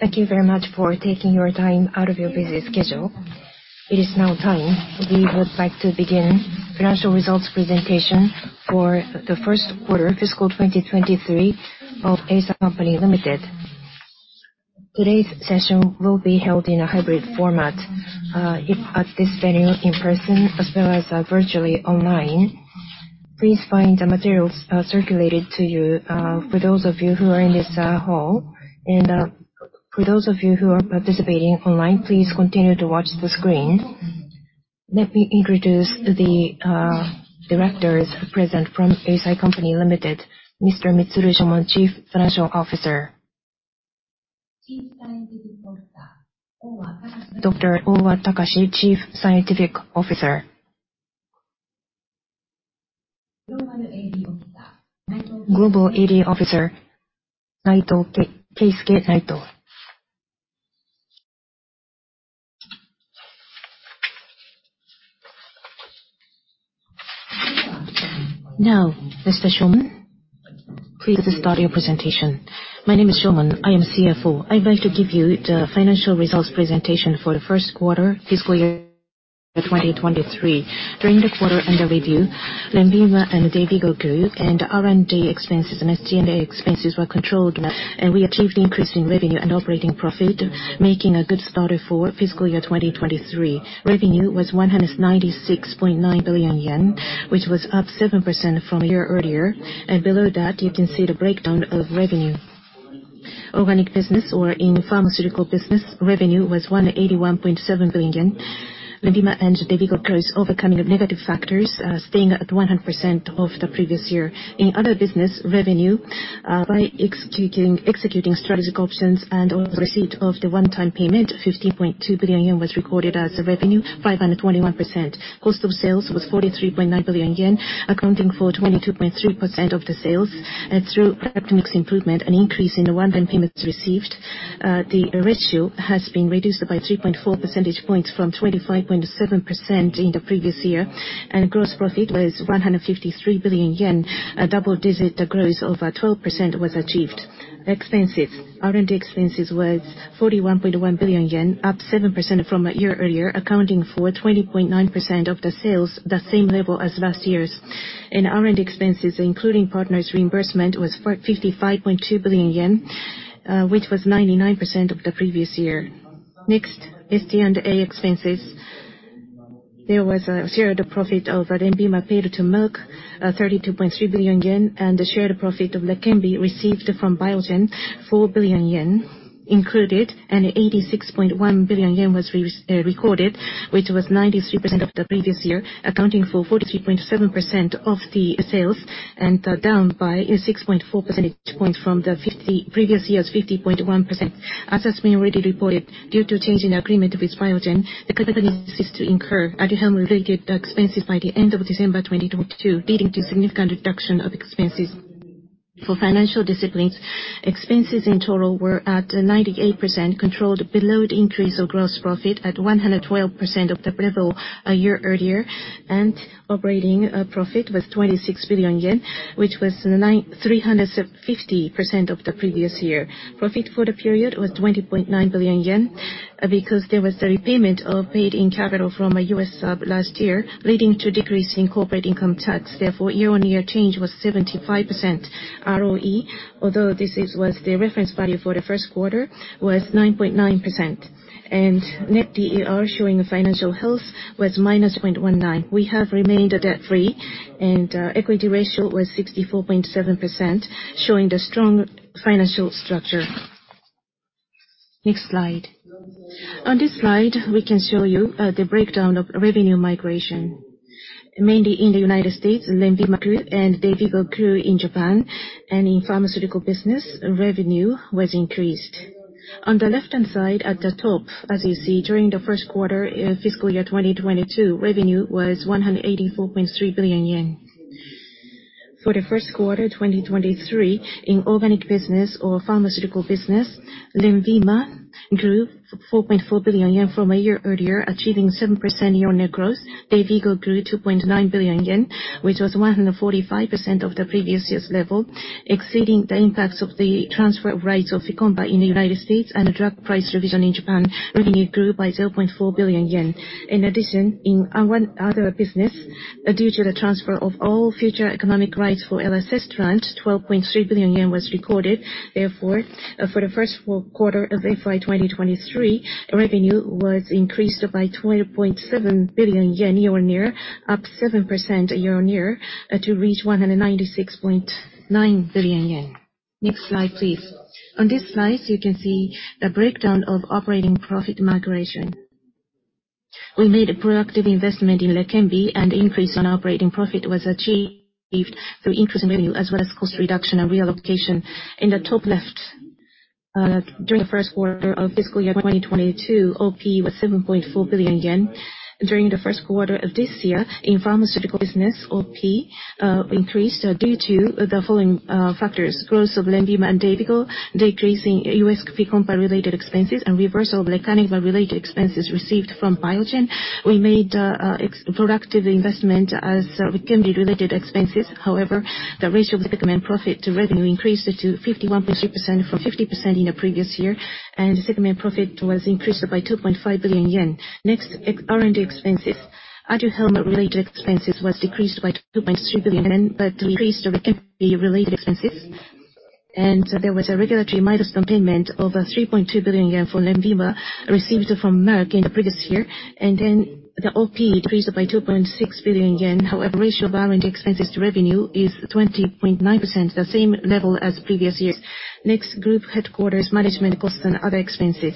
Thank you very much for taking your time out of your busy schedule. It is now time. We would like to begin financial results presentation for the first quarter fiscal 2023 of Eisai Co., Ltd. Today's session will be held in a hybrid format, at this venue in person, as well as, virtually online. Please find the materials, circulated to you, for those of you who are in this, hall. For those of you who are participating online, please continue to watch the screen. Let me introduce the directors present from Eisai Co., Ltd. Mr. Mitsuru Shomon, Chief Financial Officer. Dr. Ove Takashi, Chief Scientific Officer. Global AD Officer, Naito, Keisuke Naito. Mr. Shomon, please start your presentation. My name is Shomon, I am CFO. I'd like to give you the financial results presentation for the first quarter, fiscal year 2023. During the quarter under review, Lenvima and Dayvigo grew, and R&D expenses and SG&A expenses were controlled, and we achieved increase in revenue and operating profit, making a good start for fiscal year 2023. Revenue was 196.9 billion yen, which was up 7% from a year earlier. Below that, you can see the breakdown of revenue. Organic business or in pharmaceutical business, revenue was 181.7 billion. Lenvima and Dayvigo grew, overcoming the negative factors, staying at 100% of the previous year. In other business, revenue, by executing, executing strategic options and also receipt of the one-time payment, 50.2 billion yen was recorded as a revenue, 541%. Cost of sales was 43.9 billion yen, accounting for 22.3% of the sales. Through product mix improvement and increase in the one-time payments received, the ratio has been reduced by 3.4 percentage points from 25.7% in the previous year. Gross profit was 153 billion yen. A double-digit growth of 12% was achieved. Expenses. R&D expenses was 41.1 billion yen, up 7% from a year earlier, accounting for 20.9% of the sales, the same level as last year's. R&D expenses, including partners' reimbursement, was for 55.2 billion yen, which was 99% of the previous year. Next, SG&A expenses. There was a shared profit of Lenvima paid to Merck, 32.3 billion yen, and the shared profit of Leqembi received from Biogen, 4 billion yen included, and 86.1 billion yen was recorded, which was 93% of the previous year, accounting for 43.7% of the sales, and down by 6.4 percentage points from the previous year's 50.1%. As has been already reported, due to change in agreement with Biogen, the company ceased to incur anyhow-related expenses by the end of December 2022, leading to significant reduction of expenses. For financial disciplines, expenses in total were at 98%, controlled below the increase of gross profit at 112% of the level a year earlier. Operating profit was 26 billion yen, which was 350% of the previous year. Profit for the period was 20.9 billion yen, because there was a repayment of paid-in capital from a U.S. sub last year, leading to decrease in corporate income tax. Therefore, year-on-year change was 75% ROE, although this was the reference value for the first quarter, was 9.9%. Net DER showing financial health was -0.19. We have remained debt-free, and equity ratio was 64.7%, showing the strong financial structure. Next slide. On this slide, we can show you the breakdown of revenue migration. Mainly in the United States, Lenvima grew and Dayvigo grew in Japan, and in pharmaceutical business, revenue was increased. On the left-hand side, at the top, as you see, during the first quarter, fiscal year 2022, revenue was 184.3 billion yen. For the first quarter 2023, in organic business or pharmaceutical business, Lenvima grew 4.4 billion yen from a year earlier, achieving 7% year-on-year growth. Dayvigo grew 2.9 billion yen, which was 145% of the previous year's level, exceeding the impacts of the transfer of rights of Leqembi in the United States and a drug price revision in Japan, revenue grew by 0.4 billion yen. In addition, in our other business, due to the transfer of all future economic rights for LSS grant, 12.3 billion yen was recorded. Therefore, for the first full quarter of FY 2023, revenue was increased by 20.7 billion yen year-on-year, up 7% year-on-year, to reach 196.9 billion yen. Next slide, please. On this slide, you can see the breakdown of operating profit migration. We made a proactive investment in Leqembi, and increase on operating profit was achieved through increased revenue, as well as cost reduction and reallocation. In the top left, during the first quarter of fiscal year 2022, OP was 7.4 billion yen. During the first quarter of this year, in pharmaceutical business, OP increased due to the following factors: growth of Lenvima and Dayvigo, decreasing Fycompa related expenses, and reversal of lecanemab-related expenses received from Biogen. We made productive investment as Dupixent-related expenses. The ratio of segment profit to revenue increased to 51.3% from 50% in the previous year, segment profit was increased by 2.5 billion yen. Next, ex- R&D expenses. Aduhelm-related expenses was decreased by 2.3 billion yen, increased the Dupixent-related expenses. There was a regulatory milestone payment of 3.2 billion yen for Lenvima, received from Merck in the previous year. The OP increased by 2.6 billion yen. Ratio of R&D expenses to revenue is 20.9%, the same level as previous years. Next, group headquarters, management costs, and other expenses.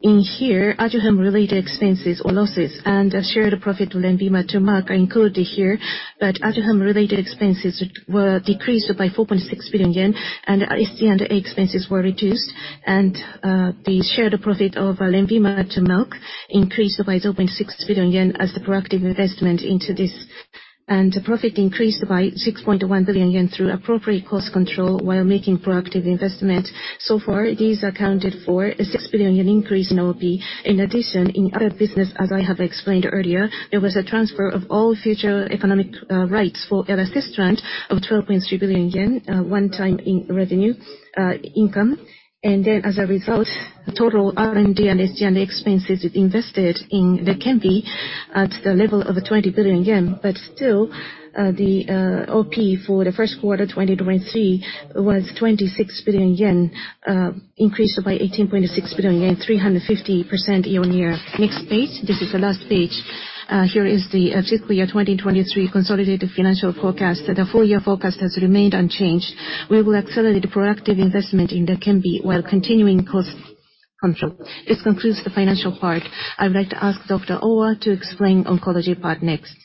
In here, Aduhelm-related expenses or losses and shared profit to Lenvima to Merck are included here. Aduhelm related expenses were decreased by 4.6 billion yen, R&D and A expenses were reduced. The shared profit of Lenvima to Merck increased by 2.6 billion yen as a proactive investment into this. The profit increased by 6.1 billion yen through appropriate cost control while making proactive investments. So far, these accounted for a 6 billion increase in OP. In addition, in other business, as I have explained earlier, there was a transfer of all future economic rights for Elacestrant of 12.3 billion yen, a 1-time in revenue income. As a result, the total R&D and SD and the expenses invested in the Dupixent at the level of 20 billion yen. Still, the OP for the first quarter, 2023, was 26 billion yen, increased by 18.6 billion yen, 350% year-on-year. Next page. This is the last page. Here is the fiscal year 2023 consolidated financial forecast. The full year forecast has remained unchanged. We will accelerate proactive investment in the Dupixent while continuing cost control. This concludes the financial part. I'd like to ask Dr. Ohwa to explain oncology part next.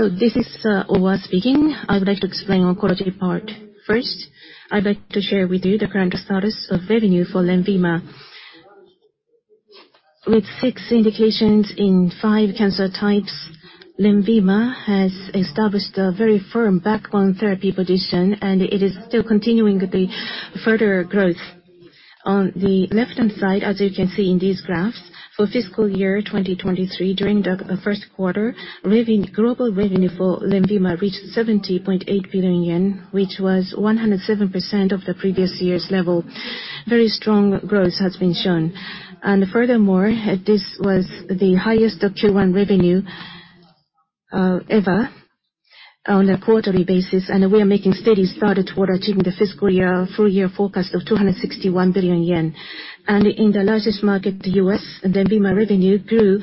This is Ohwa speaking. I would like to explain oncology part. First, I'd like to share with you the current status of revenue for Lenvima. With six indications in five cancer types, Lenvima has established a very firm backbone therapy position, and it is still continuing the further growth. On the left-hand side, as you can see in these graphs, for fiscal year 2023, during the first quarter, global revenue for Lenvima reached 70.8 billion yen, which was 107% of the previous year's level. Very strong growth has been shown. Furthermore, this was the highest Q1 revenue ever on a quarterly basis, and we are making steady start toward achieving the fiscal year full year forecast of 261 billion yen. In the largest market, the U.S., Lenvima revenue grew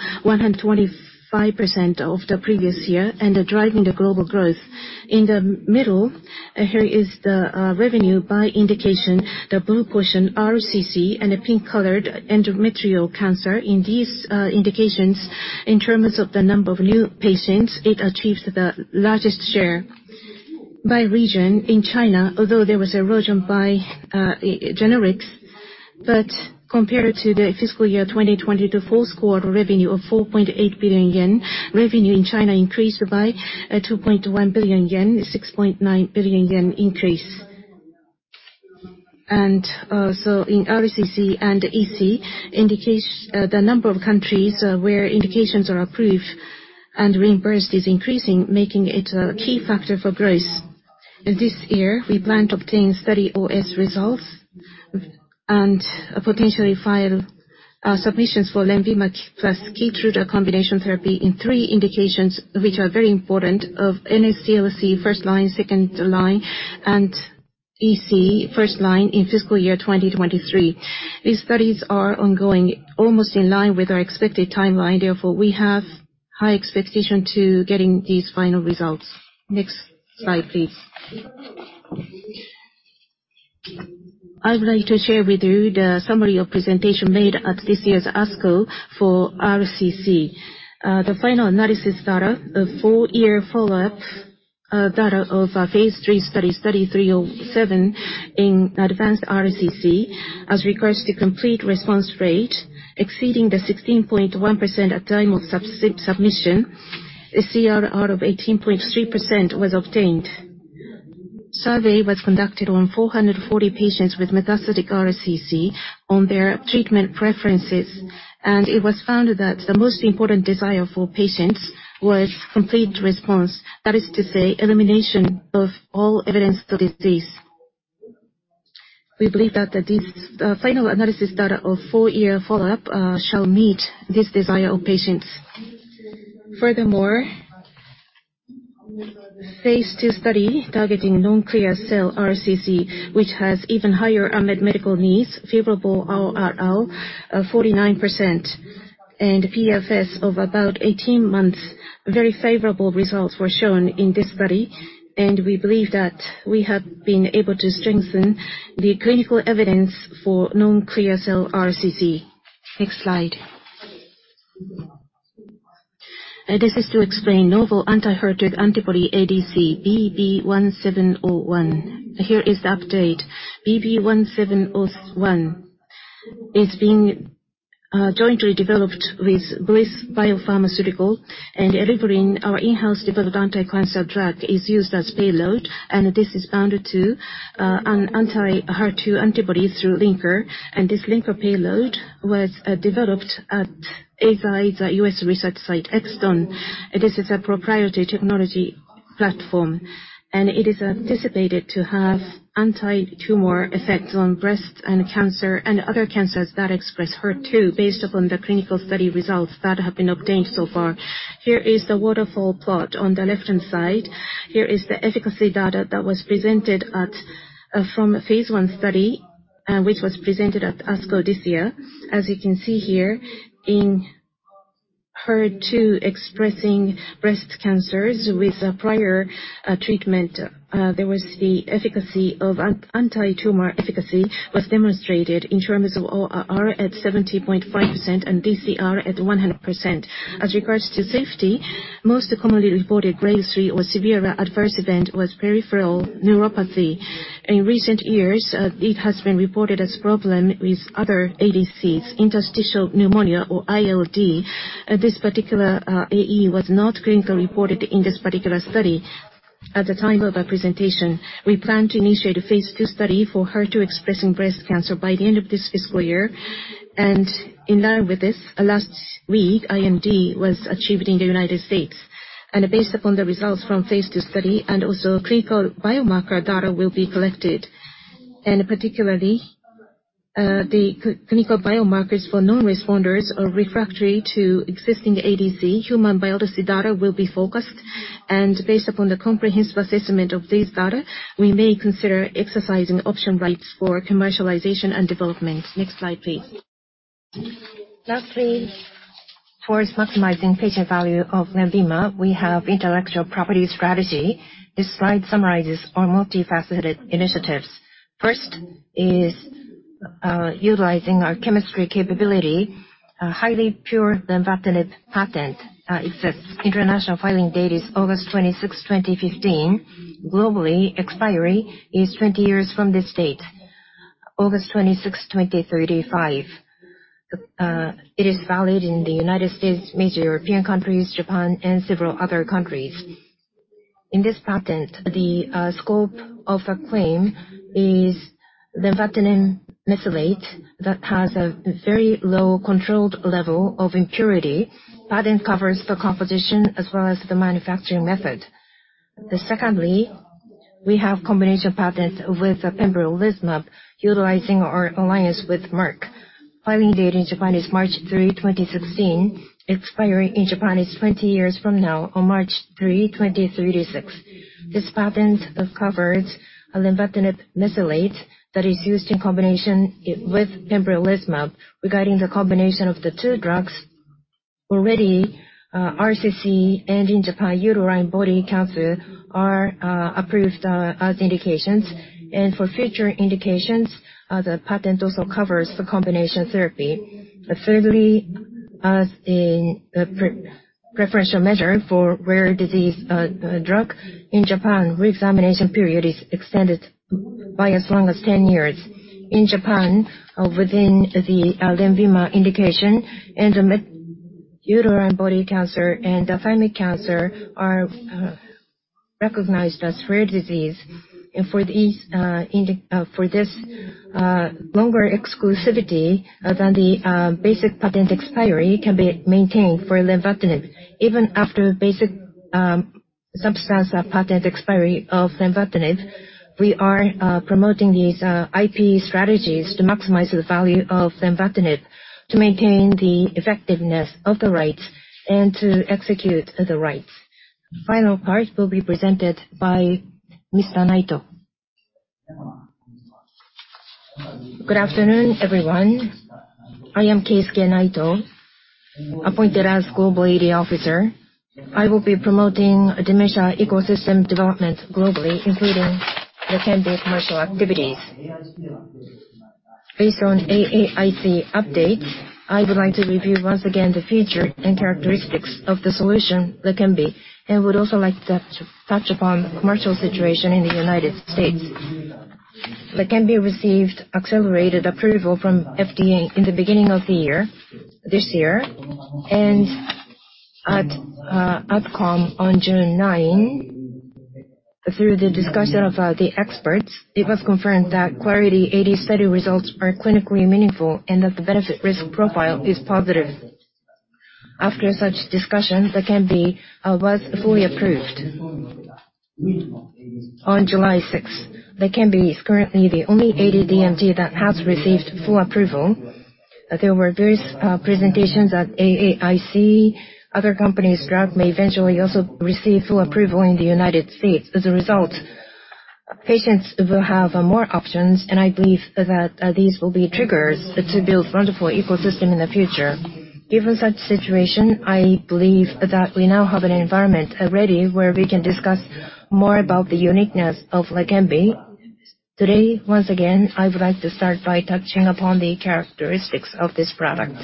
125% of the previous year and are driving the global growth. In the middle, here is the revenue by indication. The blue portion, RCC, and the pink-colored endometrial cancer. In these indications, in terms of the number of new patients, it achieves the largest share by region. In China, although there was erosion by generics, compared to the fiscal year 2020, the fourth quarter revenue of 4.8 billion yen, revenue in China increased by 2.1 billion yen, 6.9 billion yen increase. So in RCC and EC, indications, the number of countries where indications are approved and reimbursed is increasing, making it a key factor for growth. This year, we plan to obtain study OS results and potentially file submissions for Lenvima plus Keytruda combination therapy in 3 indications, which are very important, of mSTLC first line, second line, and EC first line in fiscal year 2023. These studies are ongoing, almost in line with our expected timeline. Therefore, we have high expectation to getting these final results. Next slide, please. I would like to share with you the summary of presentation made at this year's ASCO for RCC. The final analysis data, a 4-year follow-up data of phase 3 Study 307, in advanced RCC, as regards to complete response rate, exceeding the 16.1% at time of submission, a CRR of 18.3% was obtained. Survey was conducted on 440 patients with metastatic RCC on their treatment preferences, and it was found that the most important desire for patients was complete response, that is to say, elimination of all evidence of disease. We believe that this final analysis data of 4-year follow-up shall meet this desire of patients. Furthermore, phase 2 study targeting non-clear cell RCC, which has even higher unmet medical needs, favorable RRL, 49%, and PFS of about 18 months. Very favorable results were shown in this study. We believe that we have been able to strengthen the clinical evidence for non-clear cell RCC. Next slide. This is to explain novel anti-HER2 antibody ADC, BB-1701. Here is the update. BB-1701 is being jointly developed with Bliss Biopharmaceutical, and eribulin, our in-house developed anti-cancer drug, is used as payload, and this is bounded to an anti-HER2 antibody through linker. This linker payload was developed at Eisai's U.S. research site, Exton. This is a proprietary technology platform, and it is anticipated to have anti-tumor effects on breast and cancer, and other cancers that express HER2, based upon the clinical study results that have been obtained so far. Here is the waterfall plot. On the left-hand side, here is the efficacy data that was presented from a phase 1 study, which was presented at ASCO this year. As you can see here, in HER2 expressing breast cancers with a prior treatment, there was the efficacy of anti-tumor efficacy was demonstrated in terms of ORR at 70.5% and DCR at 100%. As regards to safety, most commonly reported grade 3 or severe adverse event was peripheral neuropathy. In recent years, it has been reported as problem with other ADCs, interstitial pneumonia or ILD. This particular AE was not clinically reported in this particular study. At the time of our presentation, we plan to initiate a phase 2 study for HER2 expressing breast cancer by the end of this fiscal year. In line with this, last week, IND was achieved in the United States. Based upon the results from phase 2 study and also clinical biomarker data will be collected, and particularly, the clinical biomarkers for non-responders or refractory to existing ADC, human biology data will be focused. Based upon the comprehensive assessment of this data, we may consider exercising option rights for commercialization and development. Next slide, please. Lastly, towards maximizing patient value of Lenvima, we have intellectual property strategy. This slide summarizes our multifaceted initiatives. First is, utilizing our chemistry capability, a highly pure lenvatinib patent. It says international filing date is August 26, 2015. Globally, expiry is 20 years from this date, August 26, 2035. It is valid in the United States, major European countries, Japan, and several other countries. In this patent, the scope of a claim is lenvatinib mesylate that has a very low controlled level of impurity. Patent covers the composition as well as the manufacturing method. Secondly, we have combination patents with pembrolizumab, utilizing our alliance with Merck. Filing date in Japan is March 3, 2016. Expiry in Japan is 20 years from now, on March 3, 2036. This patent covers a lenvatinib mesylate that is used in combination with pembrolizumab. Regarding the combination of the two drugs, already, RCC and in Japan, uterine body cancer are approved as indications. For future indications, the patent also covers the combination therapy. Thirdly, as in preferential measure for rare disease drug. In Japan, reexamination period is extended by as long as 10 years. In Japan, within the Lenvima indication, and the uterine body cancer and the thymic cancer are recognized as rare disease. For these, for this longer exclusivity than the basic patent expiry can be maintained for lenvatinib. Even after basic substance patent expiry of lenvatinib, we are promoting these IP strategies to maximize the value of lenvatinib, to maintain the effectiveness of the rights and to execute the rights. Final part will be presented by Mr. Naito. Good afternoon, everyone. I am Keisuke Naito, appointed as Global AD Officer. I will be promoting dementia ecosystem development globally, including the Leqembi commercial activities. Based on AAIC updates, I would like to review once again the features and characteristics of the solution, Leqembi, and would also like to touch upon commercial situation in the United States. Leqembi received accelerated approval from FDA in the beginning of the year, this year, and at outcome on June 9. Through the discussion of the experts, it was confirmed that Clarity AD study results are clinically meaningful and that the benefit risk profile is positive. After such discussions, Leqembi was fully approved on July sixth. Leqembi is currently the only AD DMT that has received full approval. There were various presentations at AAIC. Other companies' drug may eventually also receive full approval in the United States. As a result, patients will have more options, and I believe that these will be triggers to build wonderful ecosystem in the future. Given such situation, I believe that we now have an environment already where we can discuss more about the uniqueness of Leqembi. Today, once again, I would like to start by touching upon the characteristics of this product.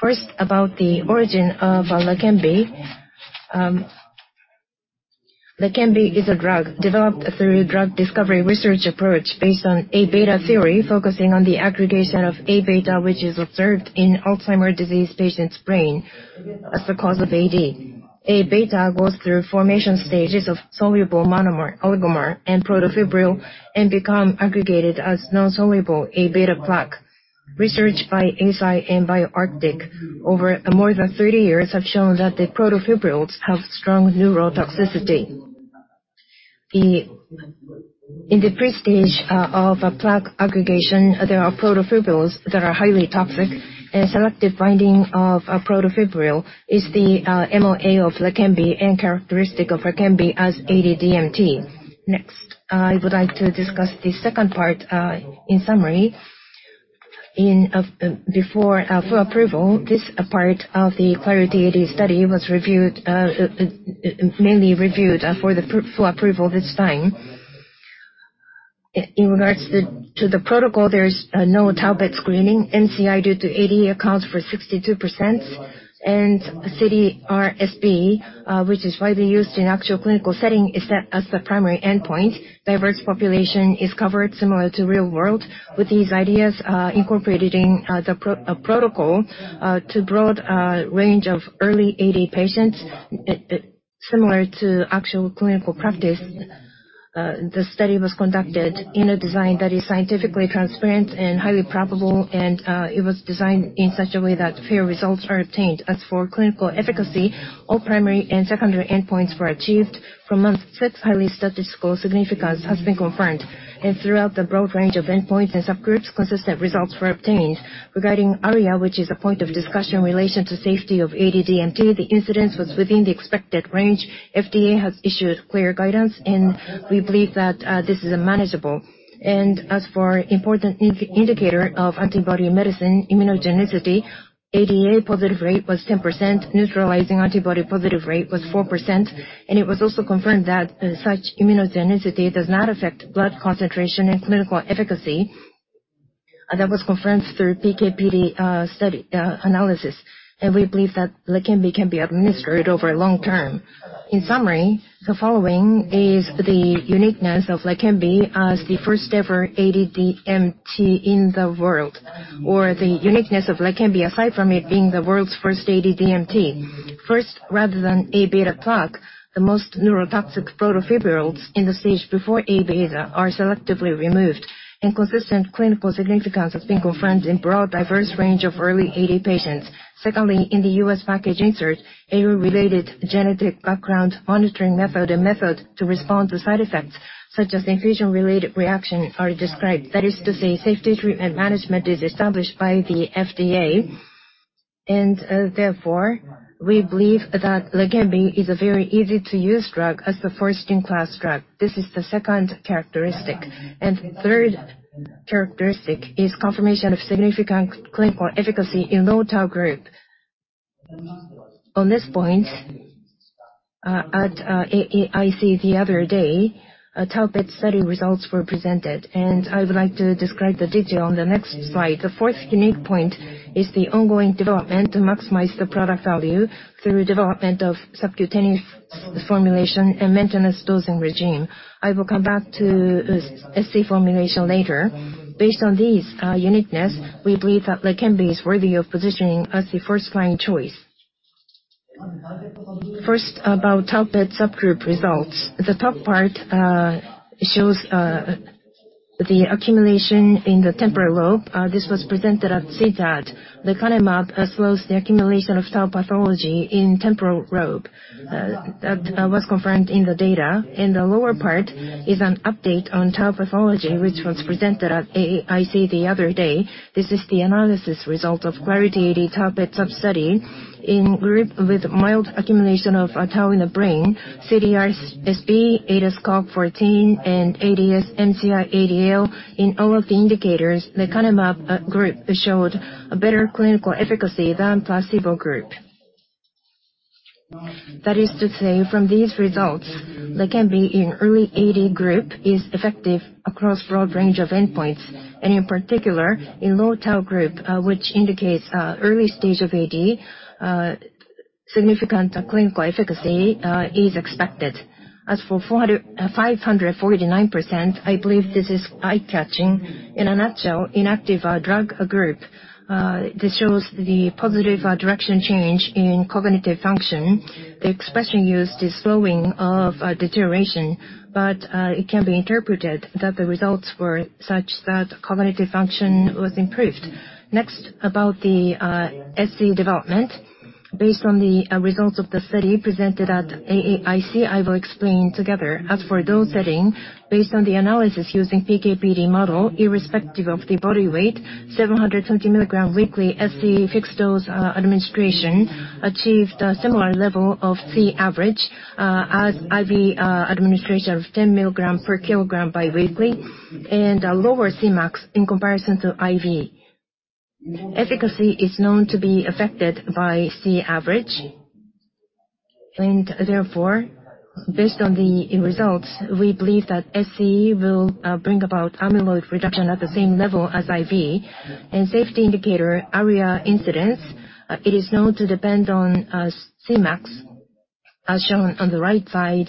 First, about the origin of Leqembi. Leqembi is a drug developed through drug discovery research approach based on A-beta theory, focusing on the aggregation of A-beta, which is observed in Alzheimer's disease patients' brain as the cause of AD. A-beta goes through formation stages of soluble monomer, oligomer, and protofibril, and become aggregated as non-soluble A-beta plaque. Research by Eisai and BioArctic over more than 30 years have shown that the protofibrils have strong neurotoxicity. In the pre-stage of a plaque aggregation, there are protofibrils that are highly toxic, and selective binding of a protofibril is the MOA of Leqembi and characteristic of Leqembi as AD DMT. Next, I would like to discuss the second part in summary. Before for approval, this part of the Clarity AD study was reviewed, mainly reviewed, for approval this time. In, in regards to, to the protocol, there's no tau PET screening. MCI due to AD accounts for 62%, and CDR-SB, which is widely used in actual clinical setting, is set as the primary endpoint. Diverse population is covered similar to real world. With these ideas incorporated in the protocol, to broad range of early AD patients, it, it similar to actual clinical practice, the study was conducted in a design that is scientifically transparent and highly probable, and it was designed in such a way that fair results are obtained. As for clinical efficacy, all primary and secondary endpoints were achieved. From months, set highly statistical significance has been confirmed, and throughout the broad range of endpoints and subgroups, consistent results were obtained. Regarding ARIA, which is a point of discussion in relation to safety of AD DMT, the incidence was within the expected range. FDA has issued clear guidance, and we believe that this is manageable. As for important in-indicator of antibody medicine immunogenicity, ADA positive rate was 10%, neutralizing antibody positive rate was 4%, and it was also confirmed that such immunogenicity does not affect blood concentration and clinical efficacy. That was confirmed through PK/PD study analysis, and we believe that Leqembi can be administered over long term. In summary, the following is the uniqueness of Leqembi as the first-ever AD DMT in the world, or the uniqueness of Leqembi, aside from it being the world's first AD DMT. First, rather than A-beta plaque, the most neurotoxic protofibrils in the stage before A-beta are selectively removed, and consistent clinical significance has been confirmed in broad, diverse range of early AD patients. Secondly, in the U.S. package insert, ARIA-related genetic background monitoring method and method to respond to side effects, such as infusion-related reaction, are described. That is to say, safety treatment management is established by the FDA, and therefore, we believe that Leqembi is a very easy-to-use drug as the first-in-class drug. This is the second characteristic. Third characteristic is confirmation of significant clinical efficacy in low tau group. On this point, at AAIC the other day, a tau PET study results were presented, and I would like to describe the detail on the next slide. The fourth unique point is the ongoing development to maximize the product value through development of subcutaneous formulation and maintenance dosing regime. I will come back to SC formulation later. Based on these uniqueness, we believe that Leqembi is worthy of positioning as the first-line choice. First, about tau PET subgroup results. The top part shows the accumulation in the temporal lobe. This was presented at SITAT. Lecanemab slows the accumulation of tau pathology in temporal lobe. That was confirmed in the data. In the lower part is an update on tau pathology, which was presented at AAIC the other day. This is the analysis result of Clarity AD tau PET substudy. In group with mild accumulation of tau in the brain, CDR-SB, ADAS-Cog 14, and ADCS-MCI-ADL. In all of the indicators, lecanemab group showed a better clinical efficacy than placebo group. That is to say, from these results, Leqembi in early AD group is effective across broad range of endpoints, and in particular, in low tau group, which indicates early stage of AD, significant clinical efficacy is expected. As for 549%, I believe this is eye-catching. In a nutshell, inactive drug group, this shows the positive direction change in cognitive function. The expression used is slowing of deterioration, it can be interpreted that the results were such that cognitive function was improved. Next, about the SC development. Based on the results of the study presented at AAIC, I will explain together. As for dose setting, based on the analysis using PK/PD model, irrespective of the body weight, 770 milligram weekly SC fixed-dose administration achieved a similar level of Cavg as IV administration of 10 milligram per kilogram biweekly, and a lower Cmax in comparison to IV. Efficacy is known to be affected by Cavg. Therefore, based on the results, we believe that SC will bring about amyloid reduction at the same level as IV. Safety indicator ARIA incidence, it is known to depend on Cmax. As shown on the right side,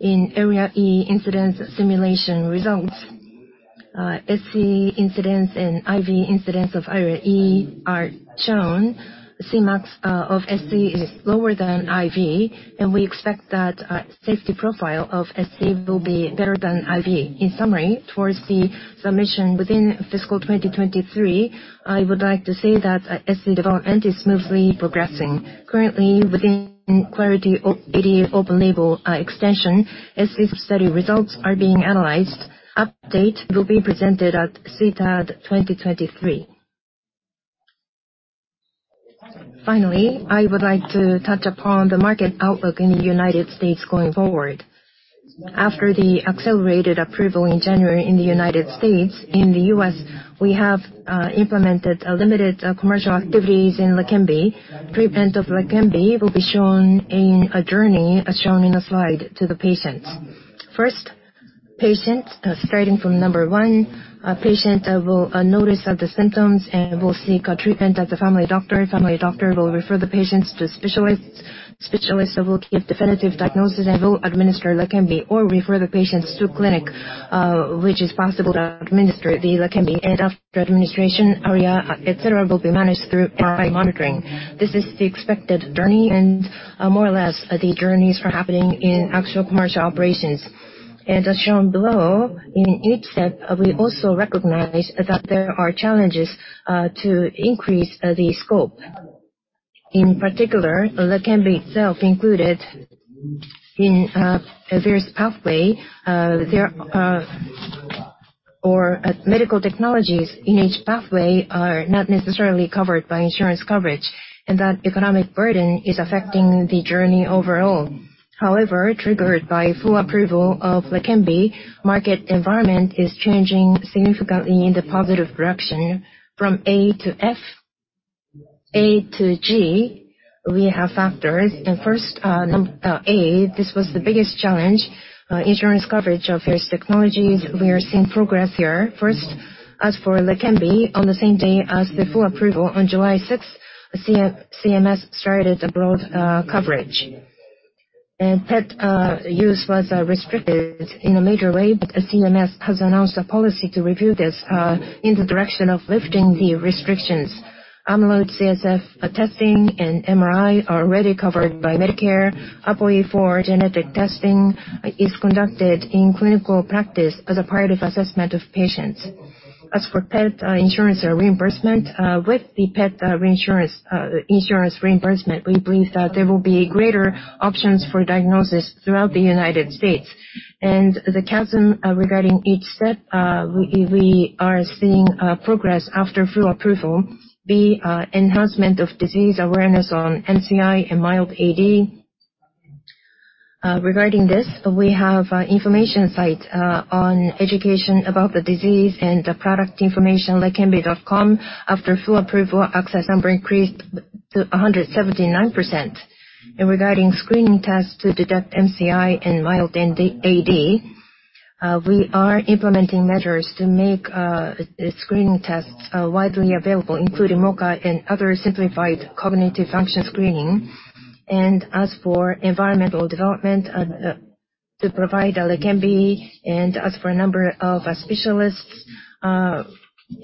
in ARIA-E incidence simulation results, SC incidence and IV incidence of ARIA-E are shown. Cmax of SC is lower than IV, and we expect that safety profile of SC will be better than IV. In summary, towards the submission within fiscal 2023, I would like to say that SC development is smoothly progressing. Currently, within Clarity AD open label extension, SC study results are being analyzed. Update will be presented at SITAD 2023. Finally, I would like to touch upon the market outlook in the United States going forward. After the accelerated approval in January in the United States, in the US, we have implemented limited commercial activities in Leqembi. Treatment of Leqembi will be shown in a journey, as shown in the slide, to the patient. First, patient, starting from number one, a patient will notice that the symptoms and will seek a treatment at the family doctor. Family doctor will refer the patients to specialist. Specialist will give definitive diagnosis and will administer Leqembi or refer the patients to clinic, which is possible to administer the Leqembi. After administration, ARIA, et cetera, will be managed through MRI monitoring. This is the expected journey, and, more or less, the journeys are happening in actual commercial operations. As shown below, in each step, we also recognize that there are challenges to increase the scope. In particular, Leqembi itself included in various pathway, there, or medical technologies in each pathway are not necessarily covered by insurance coverage, and that economic burden is affecting the journey overall. However, triggered by full approval of Leqembi, market environment is changing significantly in the positive direction from A to F. A to G, we have factors. First, A, this was the biggest challenge, insurance coverage of various technologies. We are seeing progress here. First, as for Leqembi, on the same day as the full approval on July 6, CMS started a broad coverage. PET use was restricted in a major way, but the CMS has announced a policy to review this in the direction of lifting the restrictions. Amyloid CSF testing and MRI are already covered by Medicare. APOE4 genetic testing is conducted in clinical practice as a part of assessment of patients. As for PET, insurance reimbursement, with the PET reinsurance, insurance reimbursement, we believe that there will be greater options for diagnosis throughout the United States. The chasm regarding each step, we are seeing progress after full approval. B, enhancement of disease awareness on MCI and mild AD. Regarding this, we have information site on education about the disease and the product information, leqembi.com. After full approval, access number increased to 179%. Regarding screening tests to detect MCI and mild AD, we are implementing measures to make screening tests widely available, including MoCA and other simplified cognitive function screening. As for environmental development to provide Leqembi, as for number of specialists,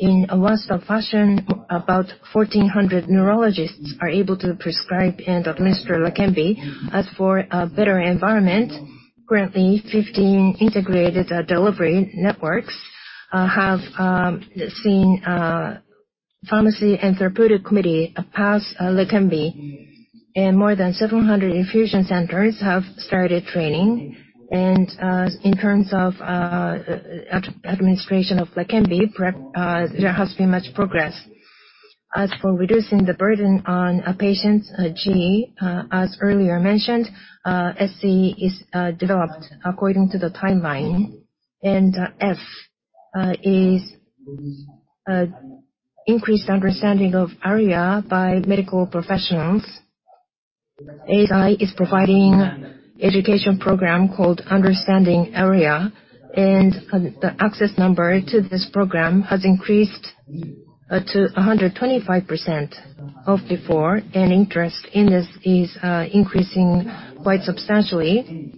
in a one-stop fashion, about 1,400 neurologists are able to prescribe and administer Leqembi. As for a better environment, currently, 15 integrated delivery networks have seen Pharmacy and Therapeutics Committee pass Leqembi, and more than 700 infusion centers have started training. In terms of administration of Leqembi, prep, there has been much progress. As for reducing the burden on a patient, as earlier mentioned, SC is developed according to the timeline. Is increased understanding of ARIA by medical professionals. ASI is providing education program called Understanding ARIA, and the access number to this program has increased to 125% of before, and interest in this is increasing quite substantially.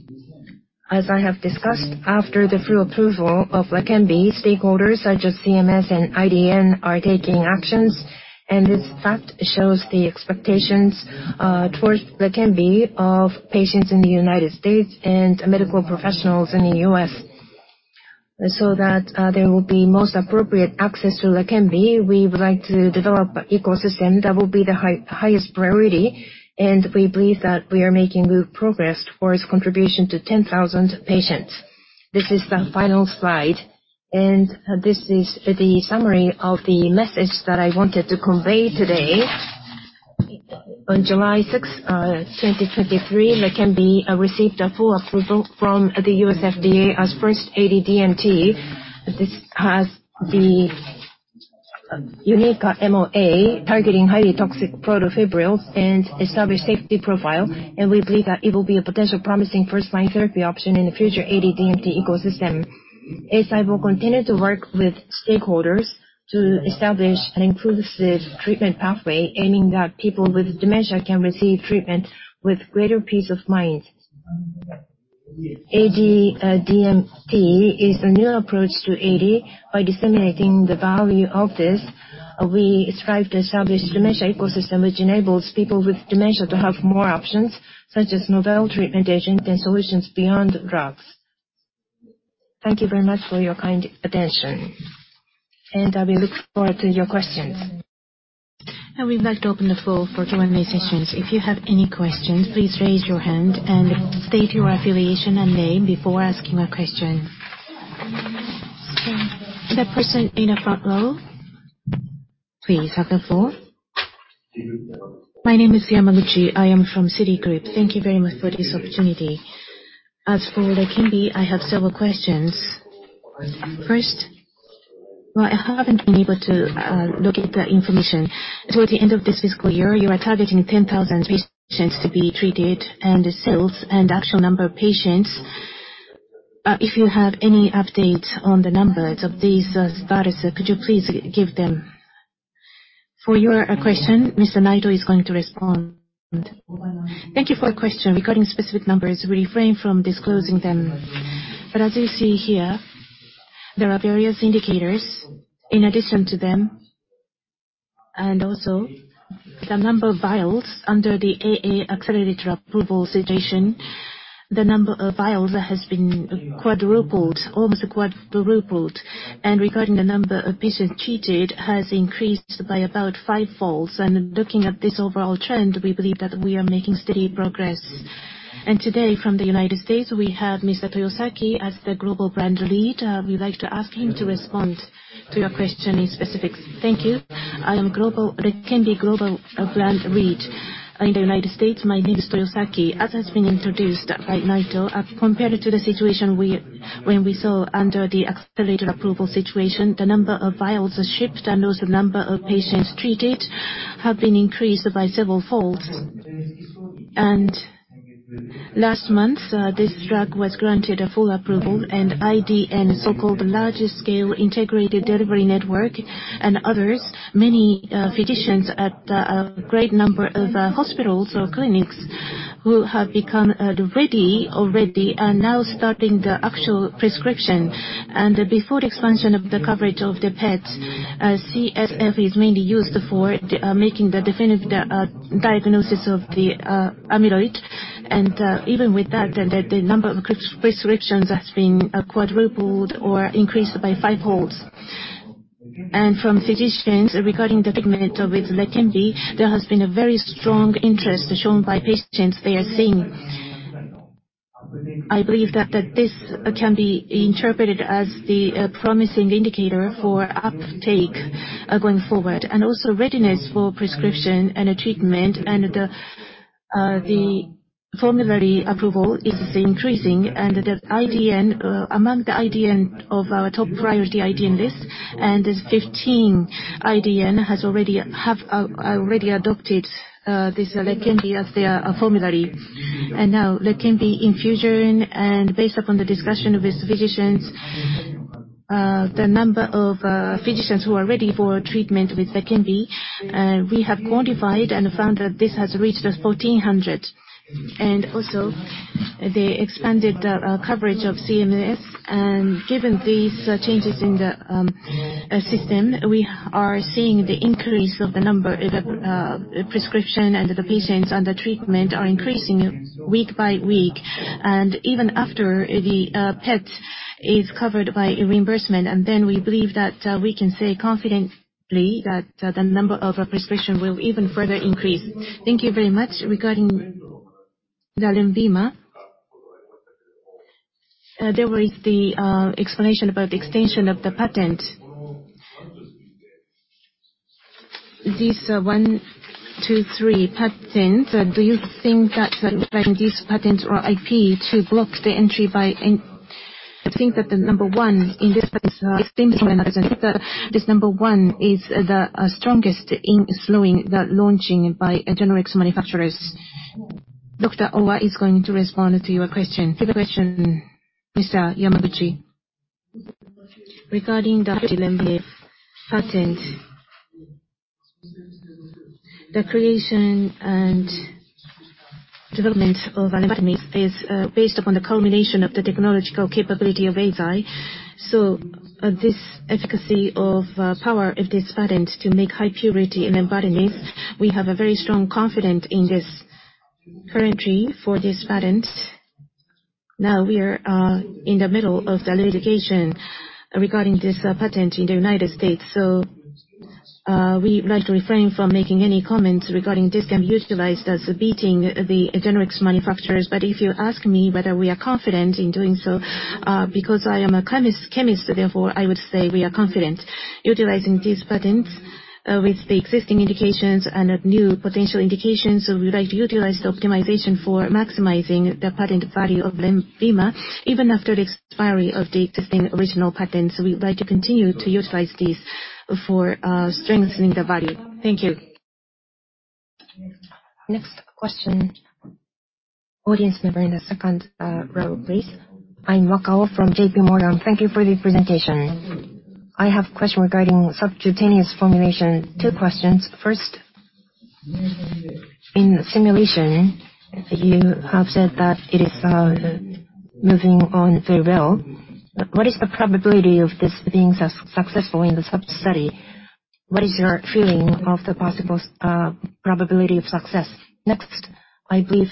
As I have discussed, after the full approval of Leqembi, stakeholders such as CMS and IDN are taking actions, and this fact shows the expectations towards Leqembi of patients in the United States and medical professionals in the U.S. That there will be most appropriate access to Leqembi, we would like to develop ecosystem. That will be the highest priority. We believe that we are making good progress towards contribution to 10,000 patients. This is the final slide. This is the summary of the message that I wanted to convey today. On July 6th, 2023, Leqembi received a full approval from the US FDA as first AD-DMT. This has the unique MOA targeting highly toxic protofibrils and establish safety profile. We believe that it will be a potential promising first-line therapy option in the future AD DMT ecosystem. Eisai will continue to work with stakeholders to establish an inclusive treatment pathway, aiming that people with dementia can receive treatment with greater peace of mind. AD DMT is a new approach to AD. By disseminating the value of this, we strive to establish dementia ecosystem, which enables people with dementia to have more options, such as novel treatment agents and solutions beyond drugs. Thank you very much for your kind attention, and I will look forward to your questions. We'd like to open the floor for Q&A sessions. If you have any questions, please raise your hand and state your affiliation and name before asking a question. That person in the front row, please have the floor. My name is Yamaguchi. I am from Citigroup. Thank you very much for this opportunity. As for Leqembi, I have several questions. First, well, I haven't been able to locate the information. Toward the end of this fiscal year, you are targeting 10,000 patients to be treated, and the sales and actual number of patients. If you have any updates on the numbers of these status, could you please give them? For your question, Mr. Naito is going to respond. Thank you for the question. Regarding specific numbers, we refrain from disclosing them. As you see here, there are various indicators in addition to them, and also the number of vials under the AA accelerated approval situation. The number of vials has been quadrupled, almost quadrupled. Regarding the number of patients treated, has increased by about fivefold. Looking at this overall trend, we believe that we are making steady progress. Today, from the United States, we have Mr. Toyosaki as the global brand lead. We'd like to ask him to respond to your question in specifics. Thank you. I am global, the Leqembi global, brand lead in the United States. My name is Toyosaki. As has been introduced by Naito, compared to the situation when we saw under the accelerated approval situation, the number of vials shipped and also the number of patients treated have been increased by several folds. Last month, this drug was granted a full approval, IDN, so-called largest scale integrated delivery network, and others, many physicians at a great number of hospitals or clinics who have become ready already, are now starting the actual prescription. Before the expansion of the coverage of the PETs, CSF is mainly used for the making the definitive diagnosis of the amyloid. Even with that, the number of prescriptions has been quadrupled or increased by fivefolds. From physicians, regarding the treatment with Leqembi, there has been a very strong interest shown by patients they are seeing. I believe that, that this can be interpreted as the promising indicator for uptake going forward, and also readiness for prescription and treatment. The formulary approval is increasing, and the IDN among the IDN of our top priority IDN list, and there's 15 IDN have already adopted this Leqembi as their formulary. Now, Leqembi infusion and based upon the discussion with physicians, the number of physicians who are ready for treatment with Leqembi, we have quantified and found that this has reached 1,400. Also, the expanded coverage of CMS. Given these changes in the system, we are seeing the increase of the number, prescription and the patients under treatment are increasing week by week, and even after the PET is covered by reimbursement. We believe that we can say confidently that the number of prescription will even further increase. Thank you very much. Regarding the Lenvima, there was the explanation about the extension of the patent. These one, two, three patents, do you think that trying these patents or IP to block the entry by? I think that the number one in this particular instance, this number one is the strongest in slowing the launching by generics manufacturers. Dr. Ohwa is going to respond to your question. To the question, Mr. Yamaguchi. Regarding the Lenvima patent, the creation and development of lenvatinib is based upon the culmination of the technological capability of Eisai. This efficacy of power of this patent to make high purity lenvatinib, we have a very strong confidence in this entry for this patent. Now, we are in the middle of the litigation regarding this patent in the United States, we'd like to refrain from making any comments regarding this can be utilized as beating the generics manufacturers. If you ask me whether we are confident in doing so, because I am a chemist, chemist, therefore, I would say we are confident utilizing these patents. with the existing indications and new potential indications. We would like to utilize the optimization for maximizing the patent value of Lenvima, even after the expiry of the existing original patents. We would like to continue to utilize this for strengthening the value. Thank you. Next question, audience member in the second row, please. I'm Wakao from JP Morgan. Thank you for the presentation. I have a question regarding subcutaneous formulation. Two questions. First, in simulation, you have said that it is, moving on very well. What is the probability of this being successful in the sub-study? What is your feeling of the possible, probability of success? Next, I believe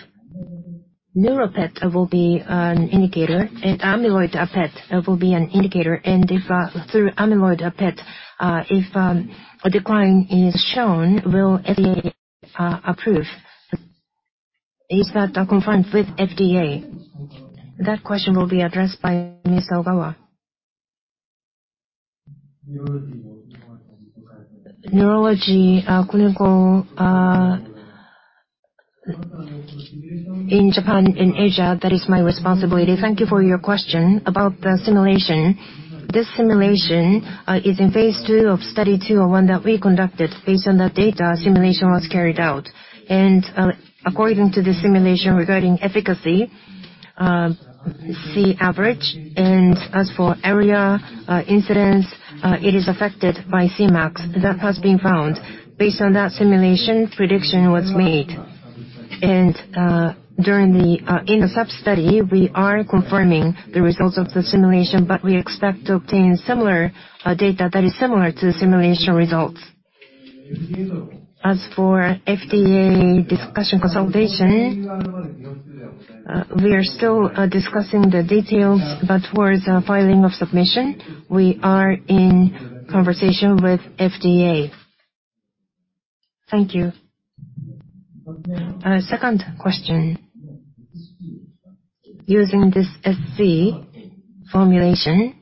neuro PET will be an indicator, and amyloid PET will be an indicator, and if, through amyloid PET, a decline is shown, will FDA approve? Is that confirmed with FDA? That question will be addressed by Ms. Ogawa. Neurology, clinical, in Japan, in Asia, that is my responsibility. Thank you for your question. About the simulation, this simulation is in phase 2 of Study 2, or 1 that we conducted. Based on that data, simulation was carried out. According to the simulation regarding efficacy, Cavg. As for ARIA, incidence, it is affected by Cmax. That has been found. Based on that simulation, prediction was made. During the in the sub-study, we are confirming the results of the simulation, but we expect to obtain similar data that is similar to the simulation results. As for FDA discussion consultation, we are still discussing the details, but towards filing of submission, we are in conversation with FDA. Thank you. Second question. Using this SC formulation,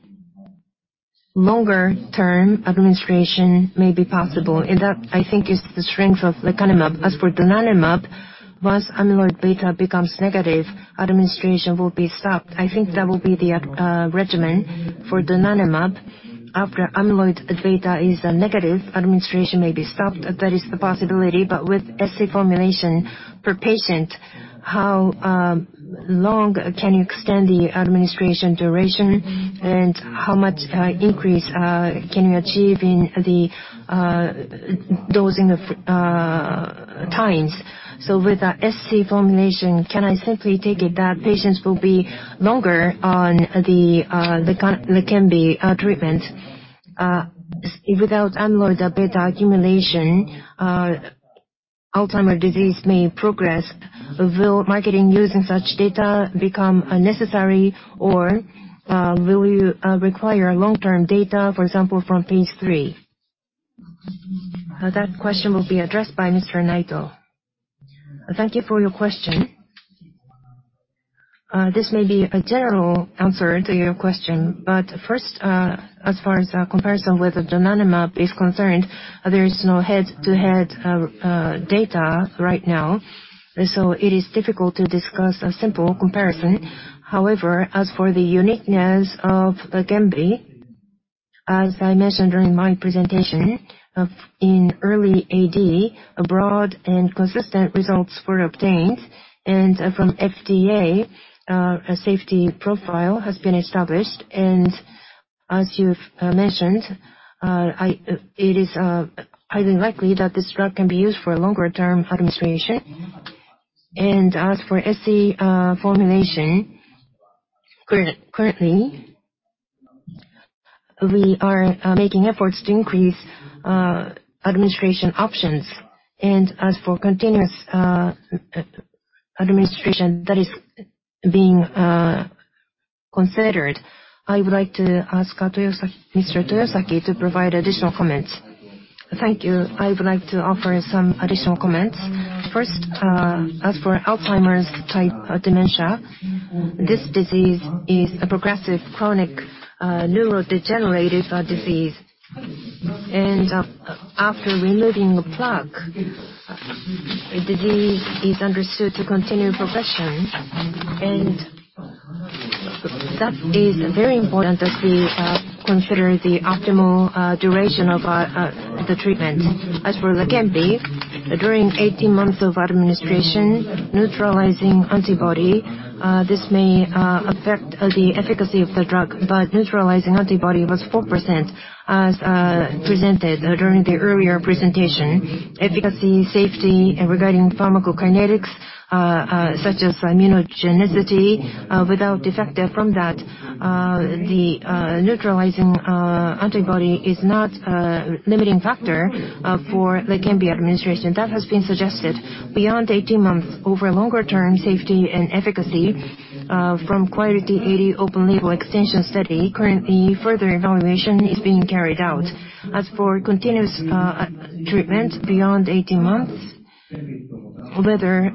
longer term administration may be possible, and that, I think, is the strength of lecanemab. As for donanemab, once amyloid beta becomes negative, administration will be stopped. I think that will be the regimen for donanemab. After amyloid beta is negative, administration may be stopped. That is the possibility. With SC formulation, per patient, how long can you extend the administration duration, and how much increase can you achieve in the dosing of times? With the SC formulation, can I simply take it that patients will be longer on the Leqembi treatment? Without amyloid beta accumulation, Alzheimer's disease may progress. Will marketing use and such data become unnecessary, or will you require long-term data, for example, from phase 3? That question will be addressed by Mr. Naito. Thank you for your question. This may be a general answer to your question, but first, as far as a comparison with the donanemab is concerned, there is no head-to-head data right now, so it is difficult to discuss a simple comparison. However, as for the uniqueness of Leqembi, as I mentioned during my presentation, in early AD, broad and consistent results were obtained. From FDA, a safety profile has been established. As you've mentioned, it is highly likely that this drug can be used for longer term administration. As for SC formulation, currently, we are making efforts to increase administration options. As for continuous administration, that is being considered. I would like to ask Toyosaki, Mr. Toyosaki, to provide additional comments. Thank you. I would like to offer some additional comments. First, as for Alzheimer's type dementia, this disease is a progressive, chronic, neurodegenerative disease. After removing a plaque, the disease is understood to continue progression. That is very important as we consider the optimal duration of the treatment. As for Leqembi, during 18 months of administration, neutralizing antibody, this may affect the efficacy of the drug, but neutralizing antibody was 4%, as presented during the earlier presentation. Efficacy, safety, and regarding pharmacokinetics, such as immunogenicity, without defect. From that, the neutralizing antibody is not a limiting factor for Leqembi administration. That has been suggested. Beyond 18 months, over longer-term safety and efficacy, from Quality eighty open label extension study, currently, further evaluation is being carried out. As for continuous treatment beyond 18 months? Whether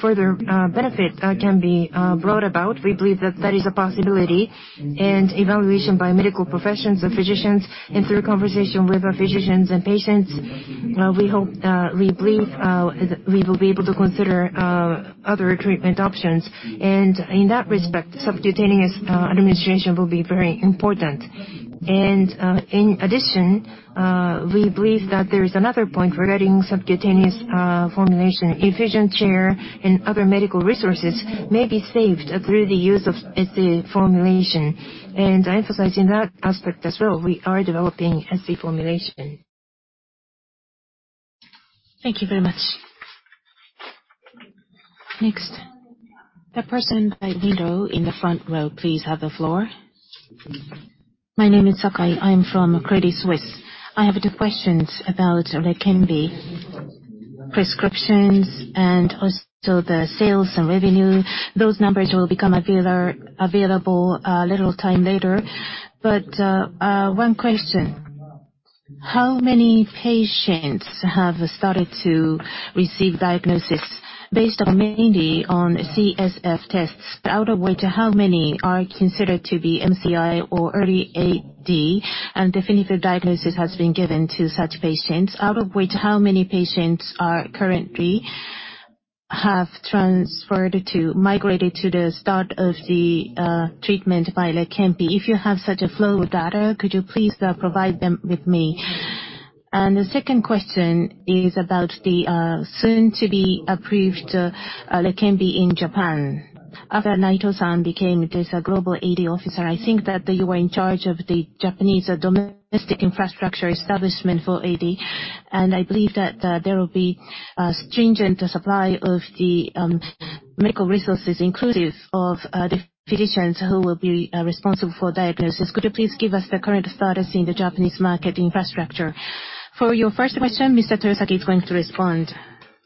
further benefit can be brought about. We believe that that is a possibility. Evaluation by medical professionals and physicians, and through conversation with our physicians and patients, we hope, we believe that we will be able to consider other treatment options. In that respect, subcutaneous administration will be very important. In addition, we believe that there is another point regarding subcutaneous formulation. Efficient care and other medical resources may be saved through the use of SC formulation. Emphasizing that aspect as well, we are developing SC formulation. Thank you very much. Next, the person by window in the front row, please have the floor. My name is Sakai. I'm from Credit Suisse. I have two questions about Leqembi. Prescriptions and also the sales and revenue, those numbers will become available a little time later. One question. How many patients have started to receive diagnosis based on mainly on CSF tests? Out of which, how many are considered to be MCI or early AD, and definitive diagnosis has been given to such patients, out of which, how many patients are currently have transferred to, migrated to the start of the treatment by Leqembi? If you have such a flow of data, could you please provide them with me? The second question is about the soon-to-be-approved Leqembi in Japan. After Naito-san became this Global AD Officer, I think that you were in charge of the Japanese domestic infrastructure establishment for AD, and I believe that, there will be a stringent supply of the medical resources, inclusive of, the physicians who will be responsible for diagnosis. Could you please give us the current status in the Japanese market infrastructure? For your first question, Mr. Tsurusaki is going to respond.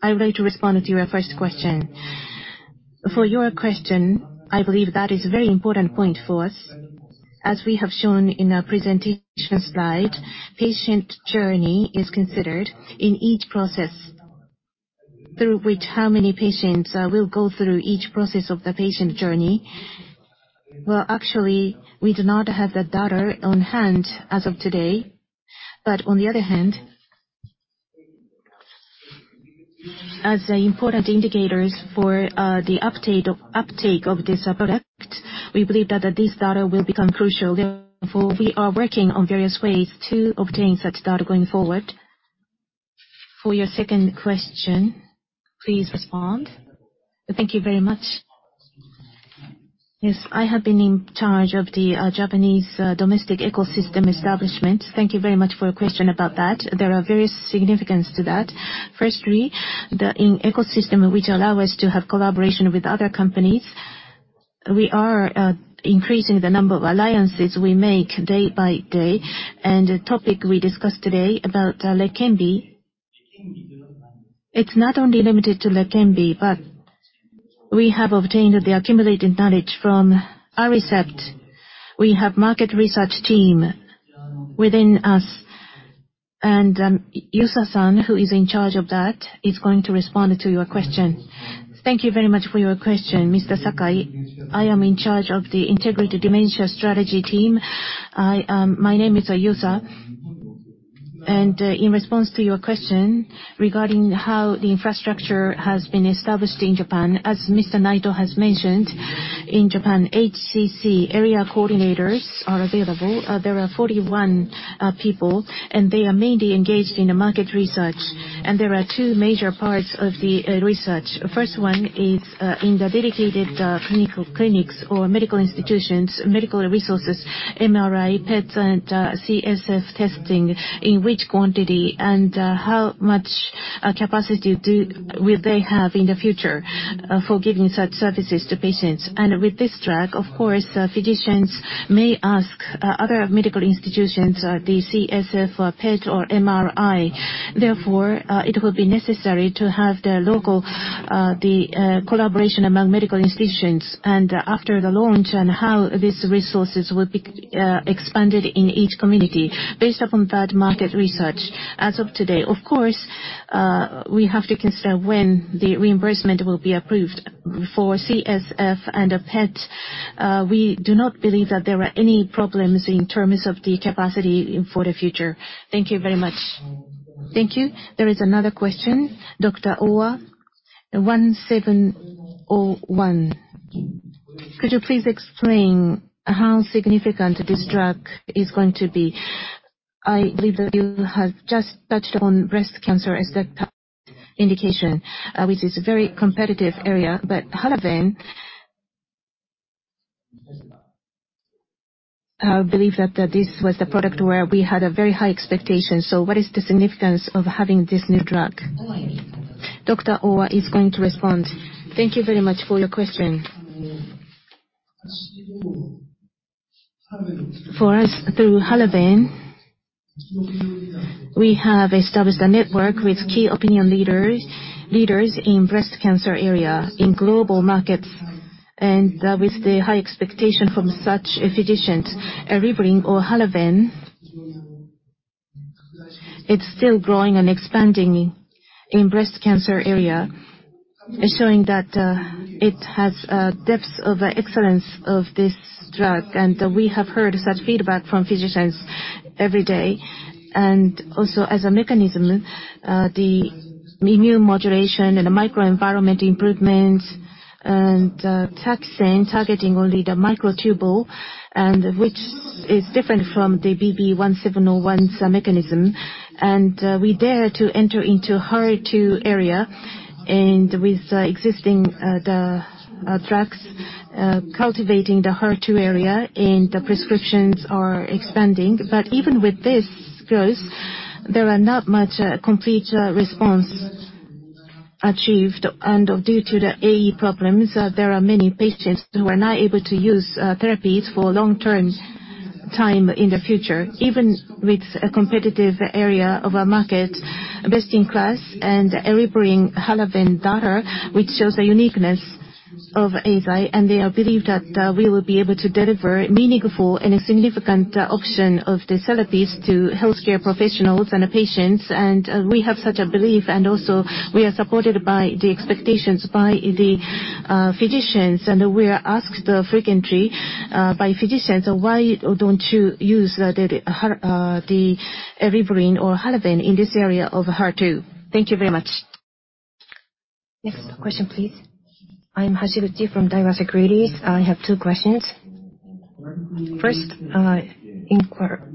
I would like to respond to your first question. For your question, I believe that is a very important point for us. As we have shown in our presentation slide, patient journey is considered in each process. Through which, how many patients will go through each process of the patient journey? Well, actually, we do not have the data on hand as of today, but on the other hand, as important indicators for the uptake of this product, we believe that this data will become crucial. Therefore, we are working on various ways to obtain such data going forward. For your second question, please respond. Thank you very much. Yes, I have been in charge of the Japanese domestic ecosystem establishment. Thank you very much for your question about that. There are various significance to that. Firstly, the in- ecosystem which allow us to have collaboration with other companies, we are increasing the number of alliances we make day by day, and the topic we discussed today about Leqembi. It's not only limited to Leqembi, but we have obtained the accumulated knowledge from Aricept. We have market research team within us, and Yuza-san, who is in charge of that, is going to respond to your question. Thank you very much for your question, Mr. Sakai. I am in charge of the Integrated Dementia Strategy team. My name is Yuza, and in response to your question regarding how the infrastructure has been established in Japan, as Mr. Naito has mentioned, in Japan, HCC, Area Coordinators are available. There are 41 people, and they are mainly engaged in the market research. There are two major parts of the research. First one is, in the dedicated clinical clinics or medical institutions, medical resources, MRI, PETs, and CSF testing, in which quantity and how much capacity will they have in the future for giving such services to patients? With this drug, of course, physicians may ask other medical institutions the CSF, or PET, or MRI. Therefore, it will be necessary to have the local, the collaboration among medical institutions, after the launch, and how these resources will be expanded in each community based upon that market research. As of today, of course, we have to consider when the reimbursement will be approved. For CSF and a PET, we do not believe that there are any problems in terms of the capacity for the future. Thank you very much. Thank you. There is another question. Dr. Ohwa, 1701. Could you please explain how significant this drug is going to be? I believe that you have just touched on breast cancer as that indication, which is a very competitive area. Halaven, I believe that, that this was the product where we had a very high expectation. What is the significance of having this new drug? Dr. Ohwa is going to respond. Thank you very much for your question. For us, through Halaven, we have established a network with key opinion leaders, leaders in breast cancer area in global markets. With the high expectation from such physicians, Reclast or Halaven is still growing and expanding in breast cancer area, showing that it has a depth of excellence of this drug. We have heard such feedback from physicians every day. Also, as a mechanism, the immune modulation and the microenvironment improvements and taxane targeting only the microtubule, which is different from the BB-1701's mechanism. We dare to enter into HER2 area, and with existing drugs cultivating the HER2 area, the prescriptions are expanding. Even with this growth, there are not much complete response achieved. Due to the AE problems, there are many patients who are not able to use therapies for long-term time in the future. Even with a competitive area of our market, best-in-class and eribulin, Halaven data, which shows the uniqueness of Eisai, and they believe that we will be able to deliver meaningful and a significant option of the therapies to healthcare professionals and patients. We have such a belief, and also we are supported by the expectations by the physicians. We are asked frequently by physicians: "Why don't you use the eribulin or Halaven in this area of HER2?" Thank you very much. Next question, please. I'm Hashiguchi from Daiwa Securities. I have 2 questions. First, in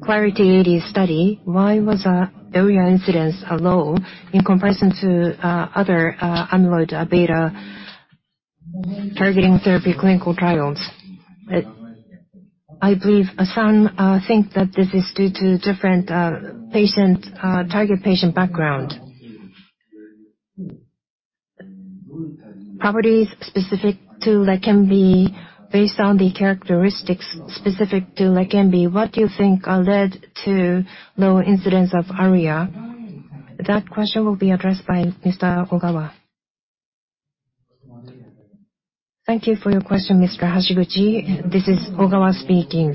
Clarity AD study, why was ARIA incidence low in comparison to other amyloid-beta targeting therapy clinical trials? I believe some think that this is due to different patient target patient background. Properties specific to lecanemab, based on the characteristics specific to lecanemab, what do you think led to low incidence of ARIA? That question will be addressed by Mr. Ogawa. Thank you for your question, Mr. Hashiguchi. This is Ogawa speaking.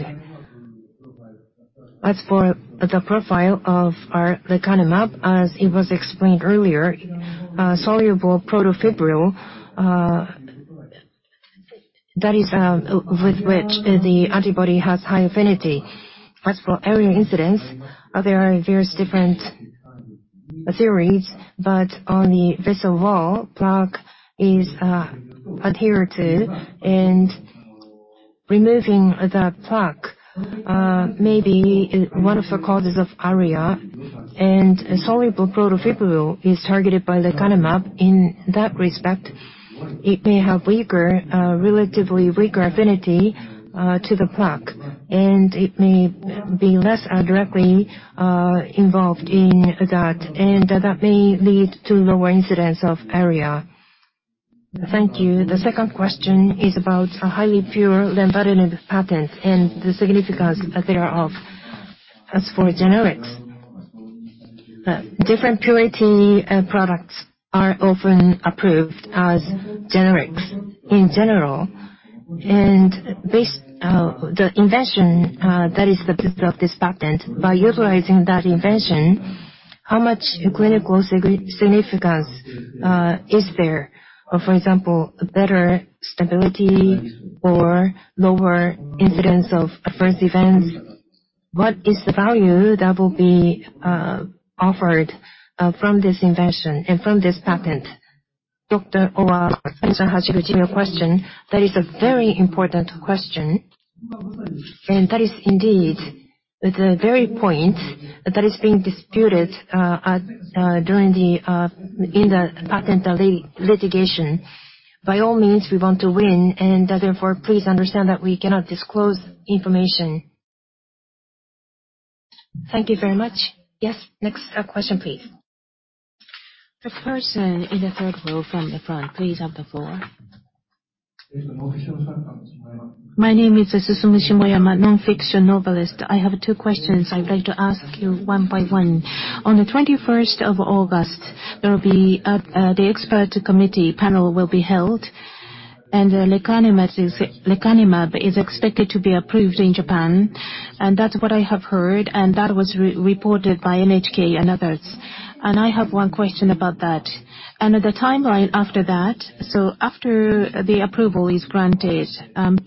As for the profile of our lecanemab, as it was explained earlier, soluble protofibril, that is, with which the antibody has high affinity. As for ARIA incidence, there are various different theories, on the vessel wall, plaque is adhered to, and removing the plaque may be one of the causes of ARIA. Soluble protofibril is targeted by lecanemab. In that respect, it may have weaker, relatively weaker affinity to the plaque, and it may be less directly involved in that, and that may lead to lower incidence of ARIA. Thank you. The second question is about a highly pure lenabirinib patent and the significance thereof. As for generics, different purity products are often approved as generics in general. Based, the invention, that is the purpose of this patent, by utilizing that invention, how much clinical significance is there? For example, better stability or lower incidence of adverse events. What is the value that will be offered from this invention and from this patent? Dr. Ogawa, Mr. Hashiguchi, your question, that is a very important question, and that is indeed the very point that is being disputed at during the in the patent litigation. By all means, we want to win, and therefore, please understand that we cannot disclose information. Thank you very much. Yes, next question, please. The person in the third row from the front, please have the floor. My name is Susumu Shimoyama, nonfiction novelist. I have two questions I'd like to ask you one by one. On August 21st, the expert committee panel will be held, and lecanemab is expected to be approved in Japan, and that's what I have heard, and that was reported by NHK and others. I have one question about that. The timeline after that, so after the approval is granted,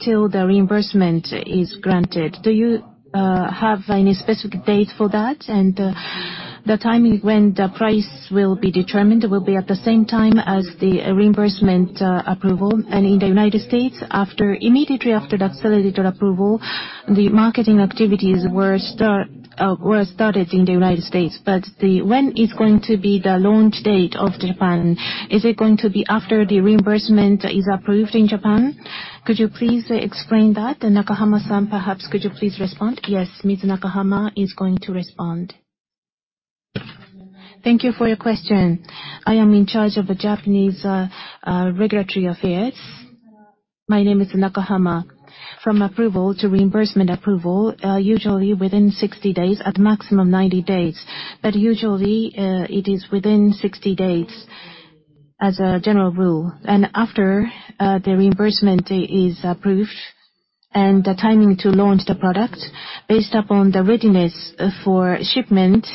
till the reimbursement is granted, do you have any specific date for that? The timing when the price will be determined will be at the same time as the reimbursement approval. In the United States, immediately after the accelerated approval, the marketing activities were started in the United States. When is going to be the launch date of Japan? Is it going to be after the reimbursement is approved in Japan? Could you please explain that? Nakahama-san, perhaps could you please respond? Yes, Ms. Nakahama is going to respond. Thank you for your question. I am in charge of the Japanese regulatory affairs. My name is Nakahama. From approval to reimbursement approval, usually within 60 days, at maximum 90 days, but usually, it is within 60 days as a general rule. After the reimbursement is approved, the timing to launch the product based upon the readiness for shipment,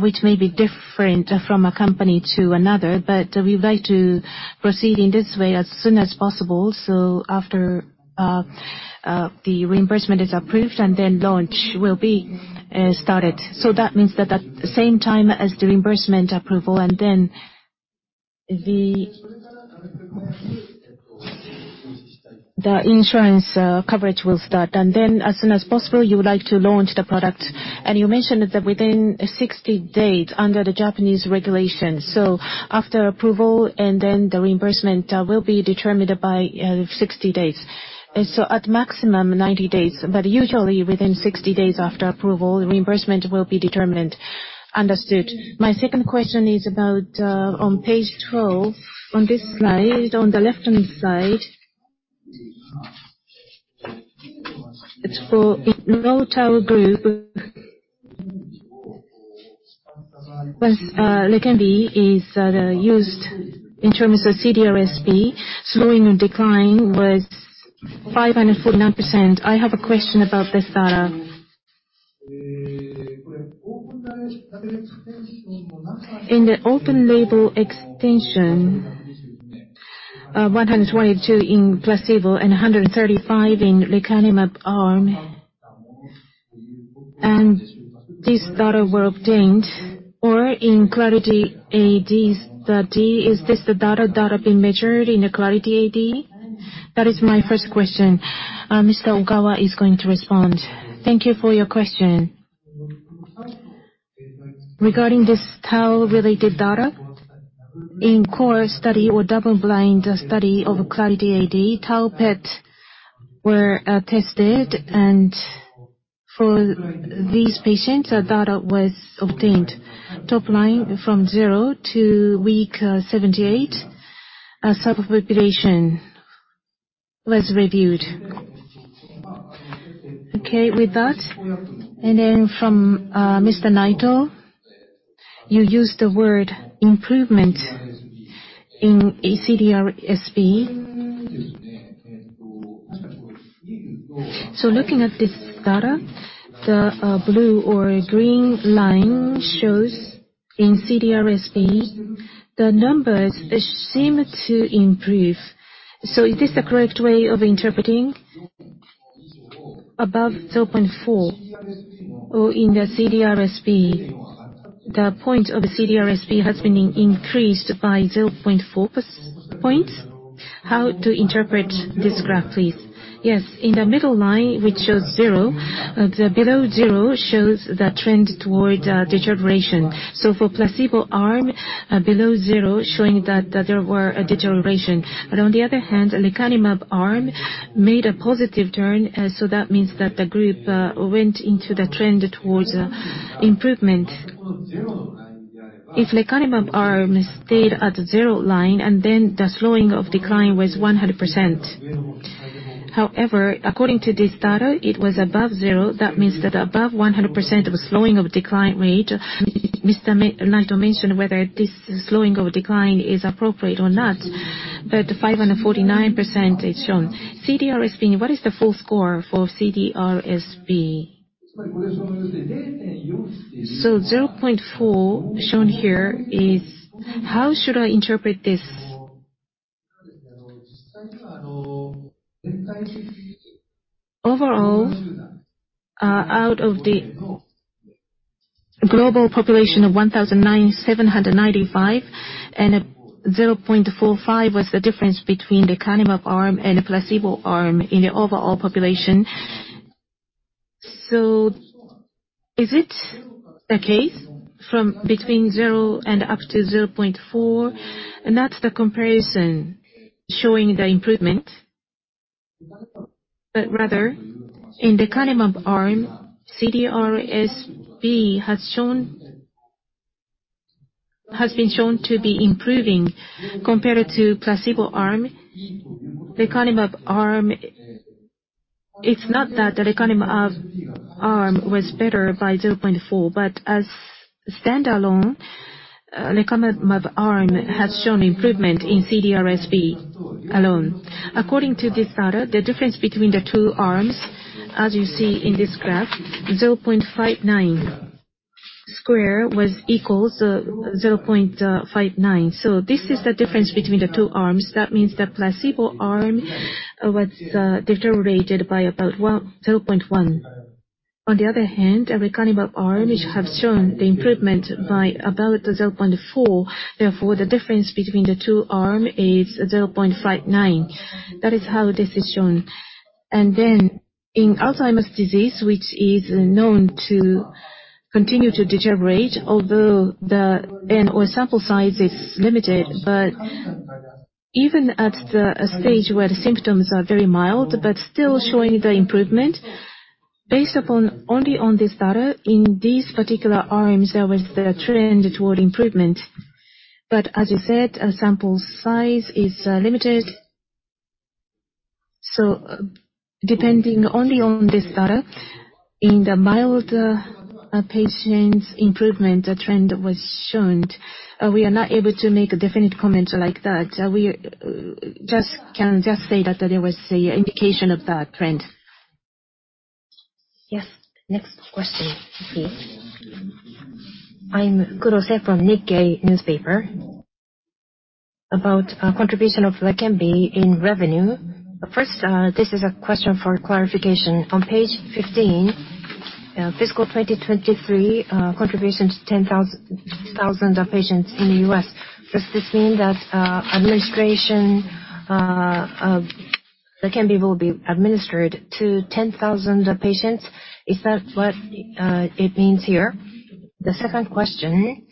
which may be different from a company to another. We would like to proceed in this way as soon as possible. After the reimbursement is approved, launch will be started. That means that at the same time as the reimbursement approval, the insurance coverage will start. As soon as possible, you would like to launch the product, and you mentioned that within 60 days under the Japanese regulations. After approval, the reimbursement will be determined by 60 days. At maximum 90 days, but usually within 60 days after approval, the reimbursement will be determined. Understood. My second question is about on page 12, on this slide, on the left-hand side. It's for low tau group. Once lecanemab is used in terms of CDR-SB, slowing or decline was 549%. I have a question about this data. In the open-label extension, 122 in placebo and 135 in lecanemab arm, this data were obtained, or in Clarity AD study, is this the data that have been measured in the Clarity AD? That is my first question. Mr. Ogawa is going to respond. Thank you for your question. Regarding this tau-related data, in core study or double-blind study of Clarity AD, tau PET were tested, and for these patients, the data was obtained. Top line from 0 to week 78, a subpopulation was reviewed. Okay with that, from Mr. Naito, you used the word improvement in CDRSB. Looking at this data, the blue or green line shows in CDRSB, the numbers seem to improve. Is this the correct way of interpreting? Above 0.4 or in the CDRSB, the point of the CDRSB has been increased by 0.4 points. How to interpret this graph, please? Yes, in the middle line, which shows 0, the below 0 shows the trend towards deterioration. For placebo arm, below 0, showing that there were a deterioration. On the other hand, lecanemab arm made a positive turn, so that means that the group went into the trend towards improvement. If lecanemab arm stayed at the zero line, then the slowing of decline was 100%. However, according to this data, it was above zero. That means that above 100% of slowing of decline rate, Mr. Naito mentioned whether this slowing of decline is appropriate or not, but 549% is shown. CDRSB, what is the full score for CDRSB? 0.4, shown here, How should I interpret this? Overall, out of the global population of 1,795, and a 0.45 was the difference between the lecanemab arm and the placebo arm in the overall population. Is it the case from between zero and up to 0.4, and that's the comparison showing the improvement? Rather, in the lecanemab arm, CDR-SB has been shown to be improving compared to placebo arm. Lecanemab arm, it's not that the lecanemab arm was better by 0.4, but as standalone, lecanemab arm has shown improvement in CDR-SB alone. According to this data, the difference between the two arms, as you see in this graph, 0.59 square was equals 0.59. This is the difference between the two arms. The placebo arm was deteriorated by about 0.1. The lecanemab arm, which have shown the improvement by about 0.4. The difference between the two arm is 0.59. That is how this is shown. Then in Alzheimer's disease, which is known to continue to deteriorate, although the n or sample size is limited, but even at the stage where the symptoms are very mild, but still showing the improvement, based upon only on this data, in these particular arms, there was the trend toward improvement. As you said, our sample size is limited. Depending only on this data, in the mild patient improvement, a trend was shown. We are not able to make a definite comment like that. We just can just say that there was a indication of that trend. Yes. Next question, please. I'm Kurose from Nikkei. About contribution of Leqembi in revenue. First, this is a question for clarification. On page 15, fiscal 2023, contribution to 10,000 patients in the U.S. Does this mean that administration of Leqembi will be administered to 10,000 patients? Is that what it means here? The second question,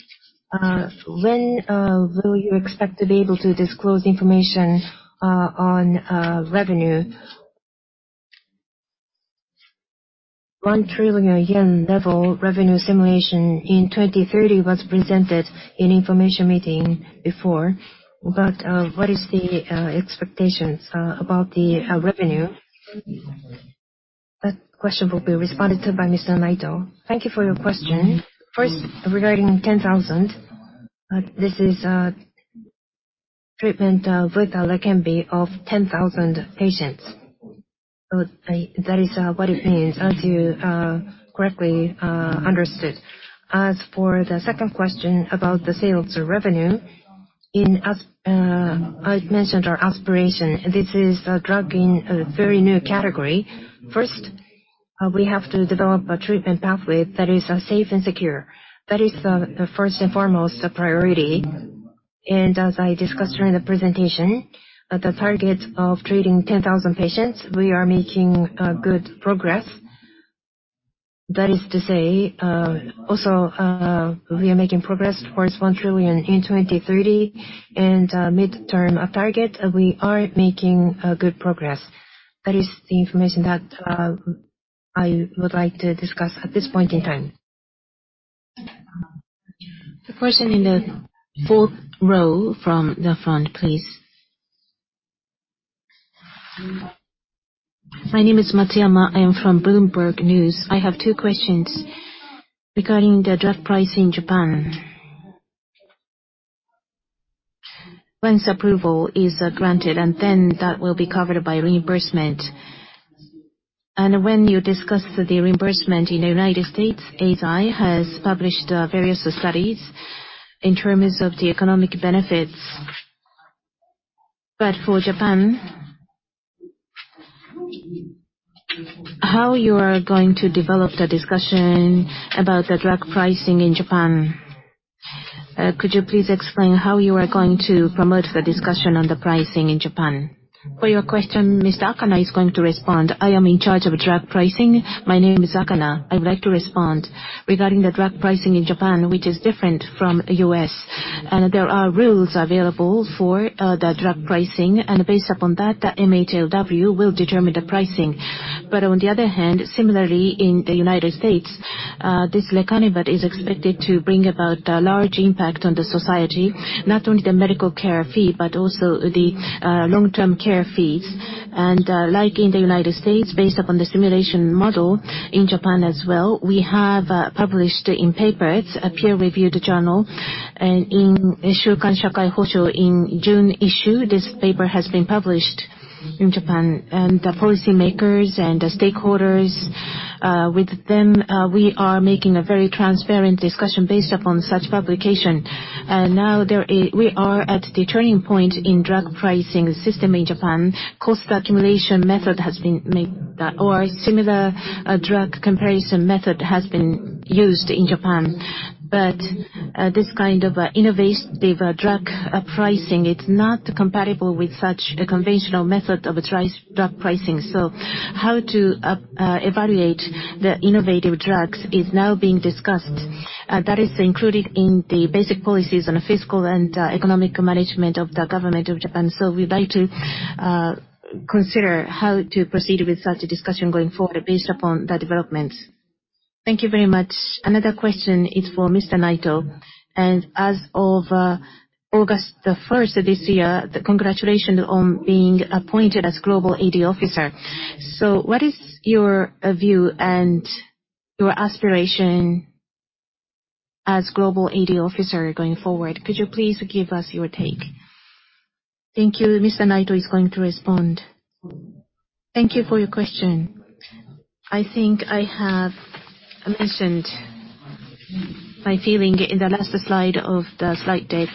when will you expect to be able to disclose information on revenue? 1 trillion yen level revenue simulation in 2030 was presented in information meeting before, but what is the expectations about the revenue? That question will be responded to by Mr. Naito. Thank you for your question. First, regarding 10,000, this is a treatment with Leqembi of 10,000 patients. That is what it means, as you correctly understood. As for the second question about the sales revenue, in as I mentioned our aspiration, this is a drug in a very new category. First, we have to develop a treatment pathway that is safe and secure. That is the first and foremost priority. As I discussed during the presentation, the target of treating 10,000 patients, we are making good progress. That is to say, also, we are making progress towards 1 trillion in 2030, midterm target, we are making good progress. That is the information that I would like to discuss at this point in time. The person in the fourth row from the front, please. My name is Mochiyama. I am from Bloomberg News. I have two questions. Regarding the drug price in Japan, once approval is granted, then that will be covered by reimbursement. When you discuss the reimbursement in the United States, Eisai has published various studies in terms of the economic benefits. For Japan, how you are going to develop the discussion about the drug pricing in Japan? Could you please explain how you are going to promote the discussion on the pricing in Japan? For your question, Ms. Akana is going to respond. I am in charge of drug pricing. My name is Akana. I would like to respond. Regarding the drug pricing in Japan, which is different from U.S., there are rules available for the drug pricing, and based upon that, the MHLW will determine the pricing. On the other hand, similarly, in the United States, this lecanemab is expected to bring about a large impact on the society, not only the medical care fee, but also the long-term care fees. Like in the United States, based upon the simulation model in Japan as well, we have published in papers, a peer-reviewed journal, and in Shuukan Shakai Hoshou in June issue, this paper has been published in Japan. The policymakers and the stakeholders, with them, we are making a very transparent discussion based upon such publication. Now there is- we are at the turning point in drug pricing system in Japan. Cost accumulation method has been made, or similar, drug comparison method has been used in Japan. This kind of, innovative, drug, pricing, it's not compatible with such a conventional method of price- drug pricing. How to, evaluate the innovative drugs is now being discussed. That is included in the basic policies on fiscal and, economic management of the government of Japan. We'd like to, consider how to proceed with such a discussion going forward based upon the developments. Thank you very much. Another question is for Mr. Naito. As of August 1st of this year, congratulations on being appointed as Global ADO Officer. What is your view and your aspiration as Global ADO Officer going forward? Could you please give us your take? Thank you. Mr. Naito is going to respond. Thank you for your question. I think I have mentioned my feeling in the last slide of the slide deck.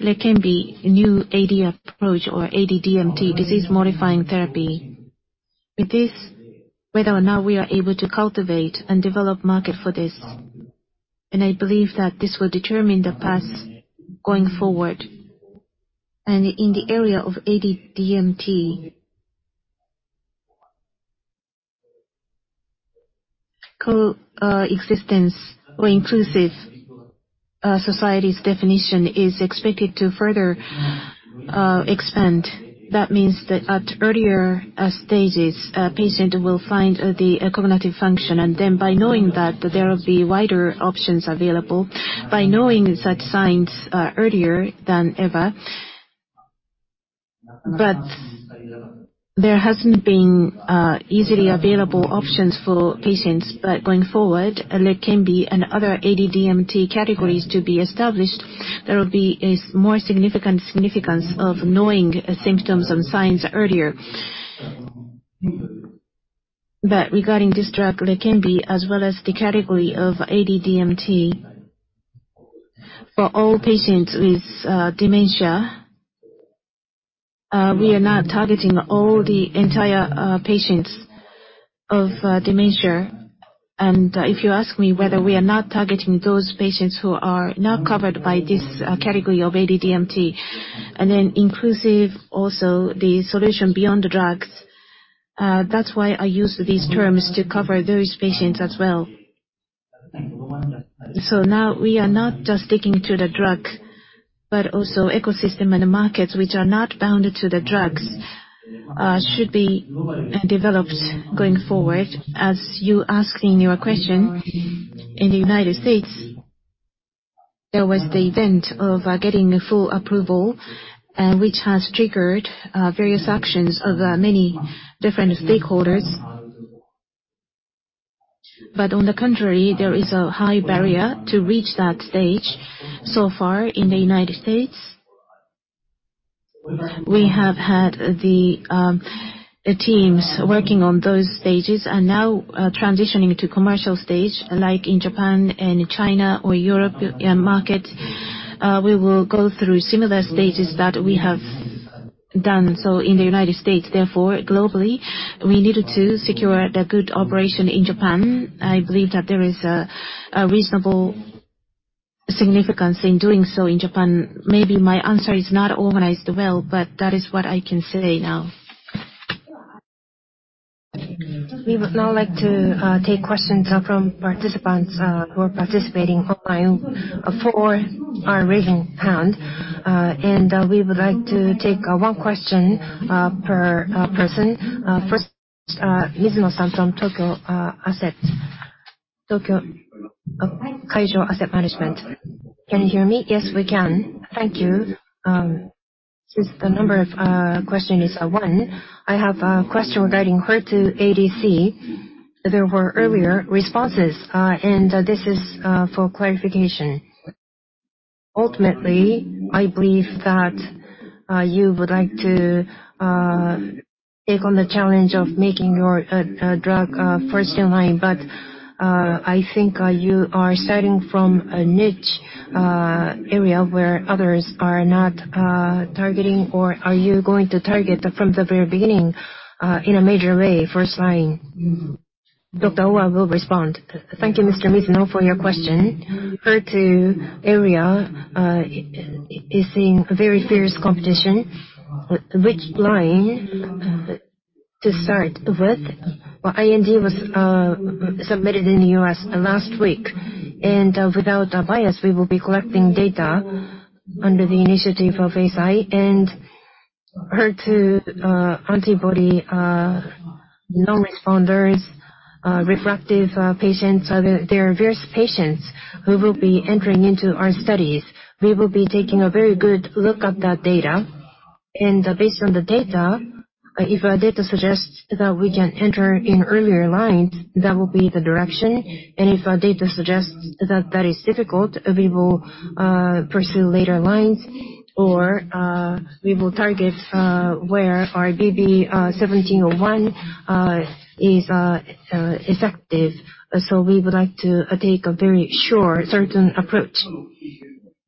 Leqembi, new AD approach or AD DMT, disease modifying therapy. With this, whether or not we are able to cultivate and develop market for this, and I believe that this will determine the path going forward. In the area of AD DMT, co-existence or inclusive society's definition is expected to further expand. That means that at earlier stages, a patient will find the cognitive function, and then by knowing that, there will be wider options available. By knowing such signs earlier than ever. There hasn't been easily available options for patients. Going forward, Leqembi and other AD DMT categories to be established, there will be a more significant significance of knowing symptoms and signs earlier. Regarding this drug, Leqembi, as well as the category of AD DMT, for all patients with dementia, we are not targeting all the entire patients of dementia. If you ask me whether we are not targeting those patients who are not covered by this category of AD DMT, and then inclusive also the solution beyond the drugs, that's why I use these terms, to cover those patients as well. Now we are not just sticking to the drugs, but also ecosystem and the markets which are not bounded to the drugs, should be developed going forward. As you ask in your question, in the United States, there was the event of getting a full approval, which has triggered various actions of many different stakeholders. On the contrary, there is a high barrier to reach that stage so far in the United States. We have had the teams working on those stages and now transitioning to commercial stage, like in Japan and China or Europe, markets. We will go through similar stages that we have done so in the United States. Globally, we needed to secure the good operation in Japan. I believe that there is a reasonable significance in doing so in Japan. Maybe my answer is not organized well, but that is what I can say now. We would now like to take questions from participants who are participating online for our raising hand. We would like to take 1 question per person. First, Mizuno from Tokyo Asset. Tokyo Marine Asset Management. Can you hear me? Yes, we can. Thank you. Since the number of question is 1, I have a question regarding HER2 ADC. There were earlier responses, and this is for clarification. Ultimately, I believe that you would like to take on the challenge of making your drug first in line. I think you are starting from a niche area where others are not targeting, or are you going to target from the very beginning in a major way, first line? Dr. Ohwa will respond. Thank you, Mr. Mizuno, for your question. HER2 area is seeing very fierce competition. Which line to start with? Well, IND was submitted in the U.S. last week. Without a bias, we will be collecting data under the initiative of ASI and HER2 antibody non-responders, refractive patients. There are various patients who will be entering into our studies. We will be taking a very good look at that data. Based on the data, if our data suggests that we can enter in earlier lines, that will be the direction. If our data suggests that that is difficult, we will pursue later lines, or we will target where our BB1701 is effective. We would like to take a very sure, certain approach.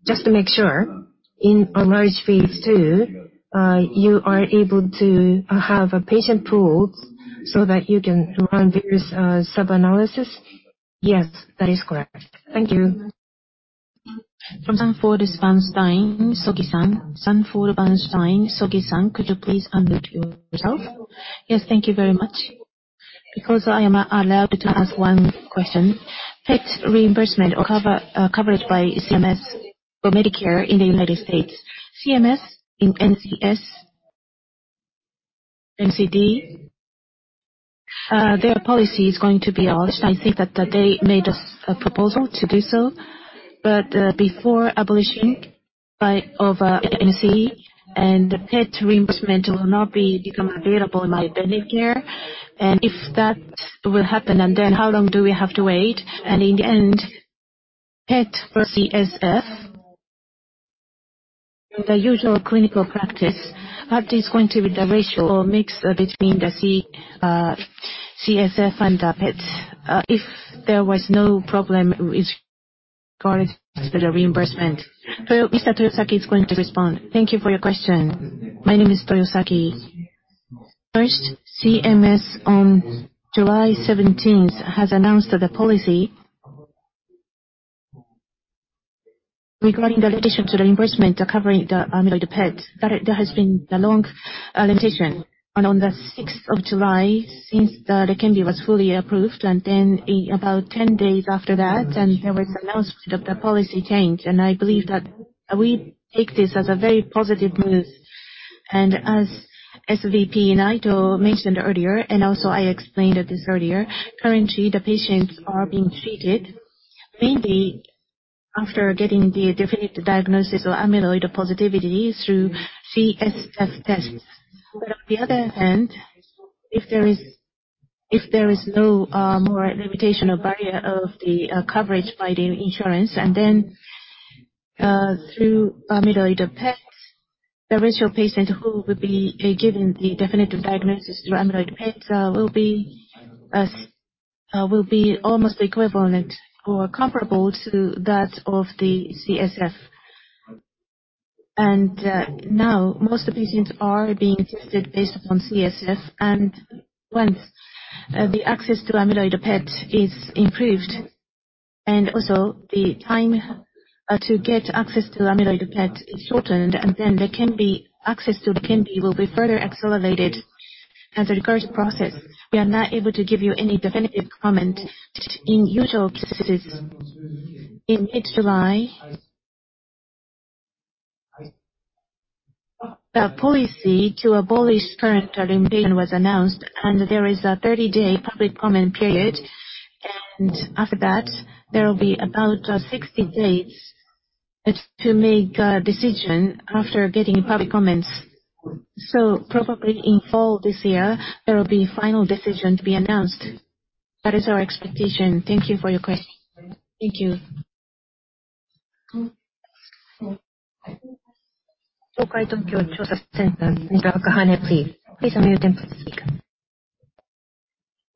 Just to make sure, in our large phase two, you are able to, have a patient pool so that you can run various, sub-analysis? Yes, that is correct. Thank you. From Sanford Bernstein, Sogi-san. Sanford Bernstein, Sogi-san, could you please unmute yourself? Yes, thank you very much. I am allowed to ask 1 question. PET reimbursement or coverage by CMS for Medicare in the United States. CMS, in NCS, NCD, their policy is going to be abolished. I think that, they made a proposal to do so. Before abolishing by of NCE and PET reimbursement will not be become available by Medicare. If that will happen, then how long do we have to wait? In the end, PET or CSF, the usual clinical practice, what is going to be the ratio or mix between the CSF and the PET, if there was no problem with regards to the reimbursement? Mr. Toyosaki is going to respond. Thank you for your question. My name is Toyosaki. First, CMS on July 17th, has announced the policy regarding the addition to the reimbursement covering the amyloid PET. There, there has been a long limitation. On the 6th of July, since Leqembi was fully approved, then about 10 days after that, there was announcement of the policy change. I believe that we take this as a very positive move. As SVP Naito mentioned earlier, and also I explained this earlier, currently the patients are being treated mainly after getting the definitive diagnosis or amyloid positivity through CSF test. On the other hand, if there is, if there is no, more limitation or barrier of the, coverage by the insurance, and then, through amyloid PET, the ratio patient who would be, given the definitive diagnosis through amyloid PET, will be, will be almost equivalent or comparable to that of the CSF. Now most of the patients are being tested based upon CSF, and once, the access to amyloid PET is improved, and also the time, to get access to amyloid PET is shortened, and then there can be access to Leqembi will be further accelerated. As a regards process, we are not able to give you any definitive comment. In usual cases, in mid-July, the policy to abolish current limitation was announced. There is a 30-day public comment period. After that, there will be about 60 days to make a decision after getting public comments. Probably in fall this year, there will be final decision to be announced. That is our expectation. Thank you for your question. Thank you. Okay, Tokyo, please unmute and speak.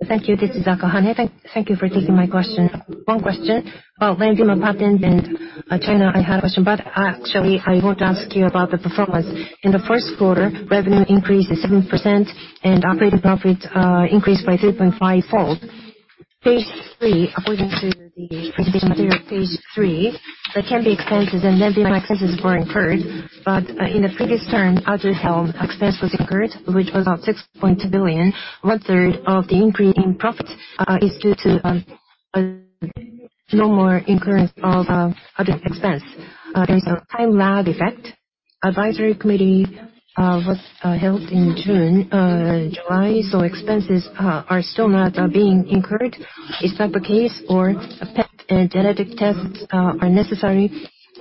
Thank you. This is Akahane. Thank, thank you for taking my question. One question. Oh, Leqembi patent and China, I had a question, actually I want to ask you about the performance. In the first quarter, revenue increased to 17% operating profit increased by 3.5 fold. Page 3, according to the presentation material, page 3, the Leqembi expenses Leqembi expenses were incurred, in the previous term, Aduhelm expense was incurred, which was about 6.2 billion. One third of the increase in profit is due to no more incurrence of other expense. There's a time-lag effect. Advisory committee was held in June, July, expenses are still not being incurred. Is that the case? A PET and genetic tests are necessary.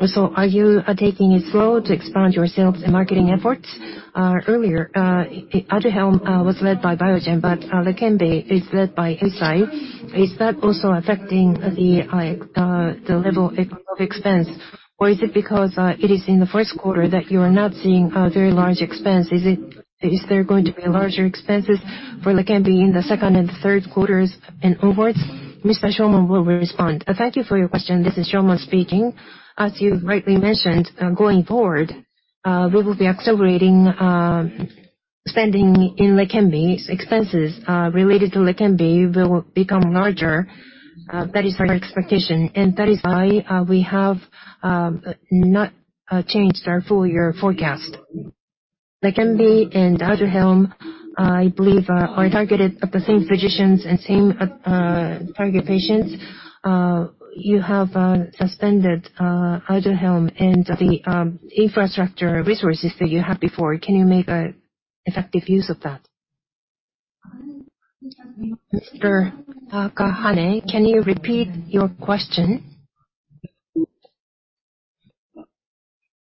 Are you taking it slow to expand your sales and marketing efforts? Earlier, Aduhelm was led by Biogen, Leqembi is led by Eisai. Is that also affecting the the level of expense, or is it because it is in the first quarter that you are not seeing very large expense? Is there going to be larger expenses for Leqembi in the second and third quarters and onwards? Mr. Shomon will respond. Thank you for your question. This is Shomon speaking. As you rightly mentioned, going forward, we will be accelerating spending in Leqembi. Expenses related to Leqembi will become larger. That is our expectation, and that is why we have not changed our full year forecast. Leqembi and Aduhelm, I believe, are targeted at the same physicians and same target patients. You have suspended Aduhelm and the infrastructure resources that you had before. Can you make a effective use of that? Mr. Akabane, can you repeat your question?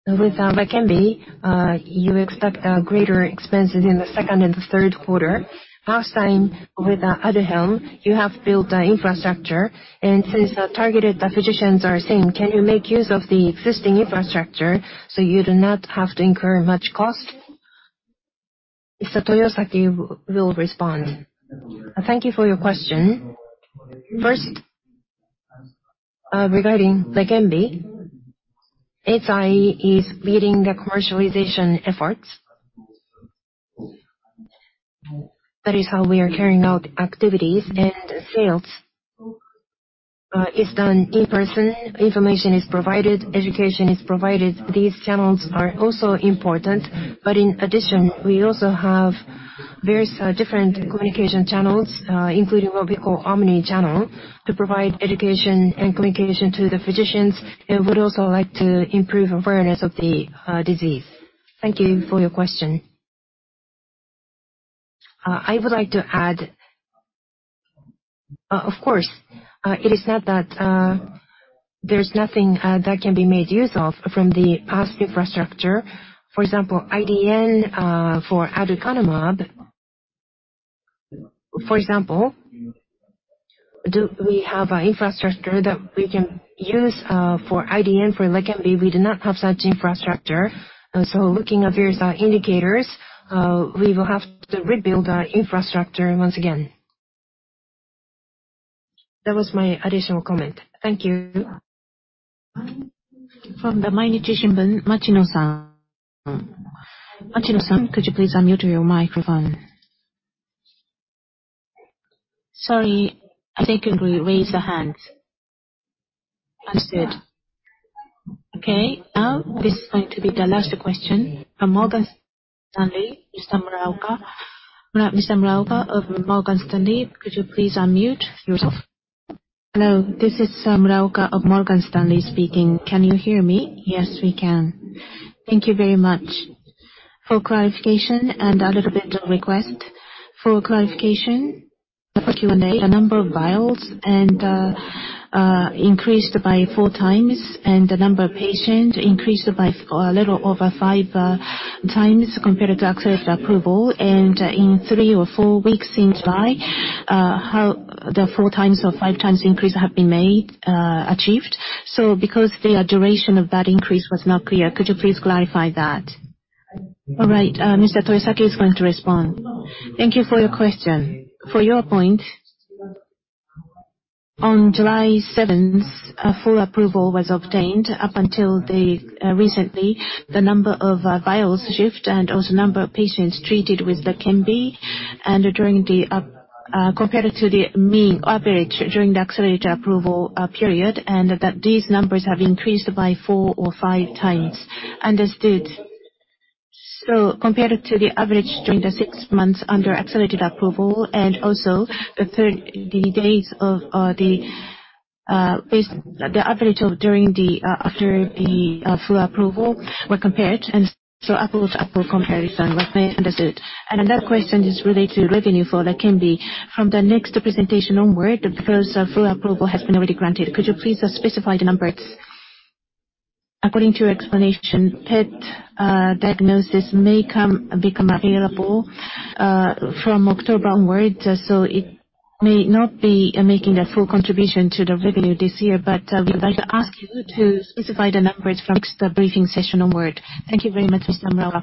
With Leqembi, you expect greater expenses in the second and the third quarter. Outside, with Aduhelm, you have built the infrastructure, and since the targeted, the physicians are same, can you make use of the existing infrastructure, so you do not have to incur much cost? Mr. Toyosaki will respond. Thank you for your question. First, regarding Leqembi, Eisai is leading the commercialization efforts. That is how we are carrying out activities. Sales is done in person. Information is provided, education is provided. These channels are also important, but in addition, we also have various different communication channels, including what we call omni-channel, to provide education and communication to the physicians. Would also like to improve awareness of the disease. Thank you for your question. I would like to add, of course, it is not that there's nothing that can be made use of from the past infrastructure. For example, IDN for aducanumab, for example, do we have a infrastructure that we can use for IDN for Leqembi? We do not have such infrastructure, so looking at various indicators, we will have to rebuild our infrastructure once again. That was my additional comment. Thank you. Machino. Machino, could you please unmute your microphone? Sorry, I think you will raise your hand. Understood. Okay, now this is going to be the last question from Morgan Stanley, Mr. Muraoka. Mr. Muraoka of Morgan Stanley, could you please unmute yourself? Hello, this is Muraoka of Morgan Stanley speaking. Can you hear me? Yes, we can. Thank you very much. For clarification and a little bit of request. For clarification, for Q&A, the number of vials and increased by 4 times, and the number of patients increased by a little over 5 times compared to accelerated approval. In 3 or 4 weeks since July, how the 4 times or 5 times increase have been made, achieved. Because the duration of that increase was not clear, could you please clarify that? All right. Mr. Torisaki is going to respond. Thank you for your question. For your point, on July 7th, a full approval was obtained. Up until the recently, the number of vials shipped and also number of patients treated with Leqembi, and during the compared to the mean or average during the accelerated approval period, and that these numbers have increased by 4 or 5 times. Understood. Compared to the average during the 6 months under accelerated approval, and also the days of the average of during the after the full approval were compared, and so apples-to-apples comparison was made. Understood. That question is related to revenue for Leqembi. From the next presentation onward, because full approval has been already granted, could you please specify the numbers? According to your explanation, PET diagnosis may come, become available from October onwards, so it may not be making a full contribution to the revenue this year. We would like to ask you to specify the numbers from the briefing session onward. Thank you very much, Ms. Amarawa.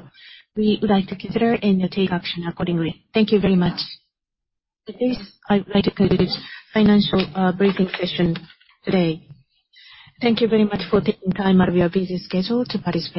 We would like to consider and take action accordingly. Thank you very much. With this, I would like to conclude this financial briefing session today. Thank you very much for taking time out of your busy schedule to participate.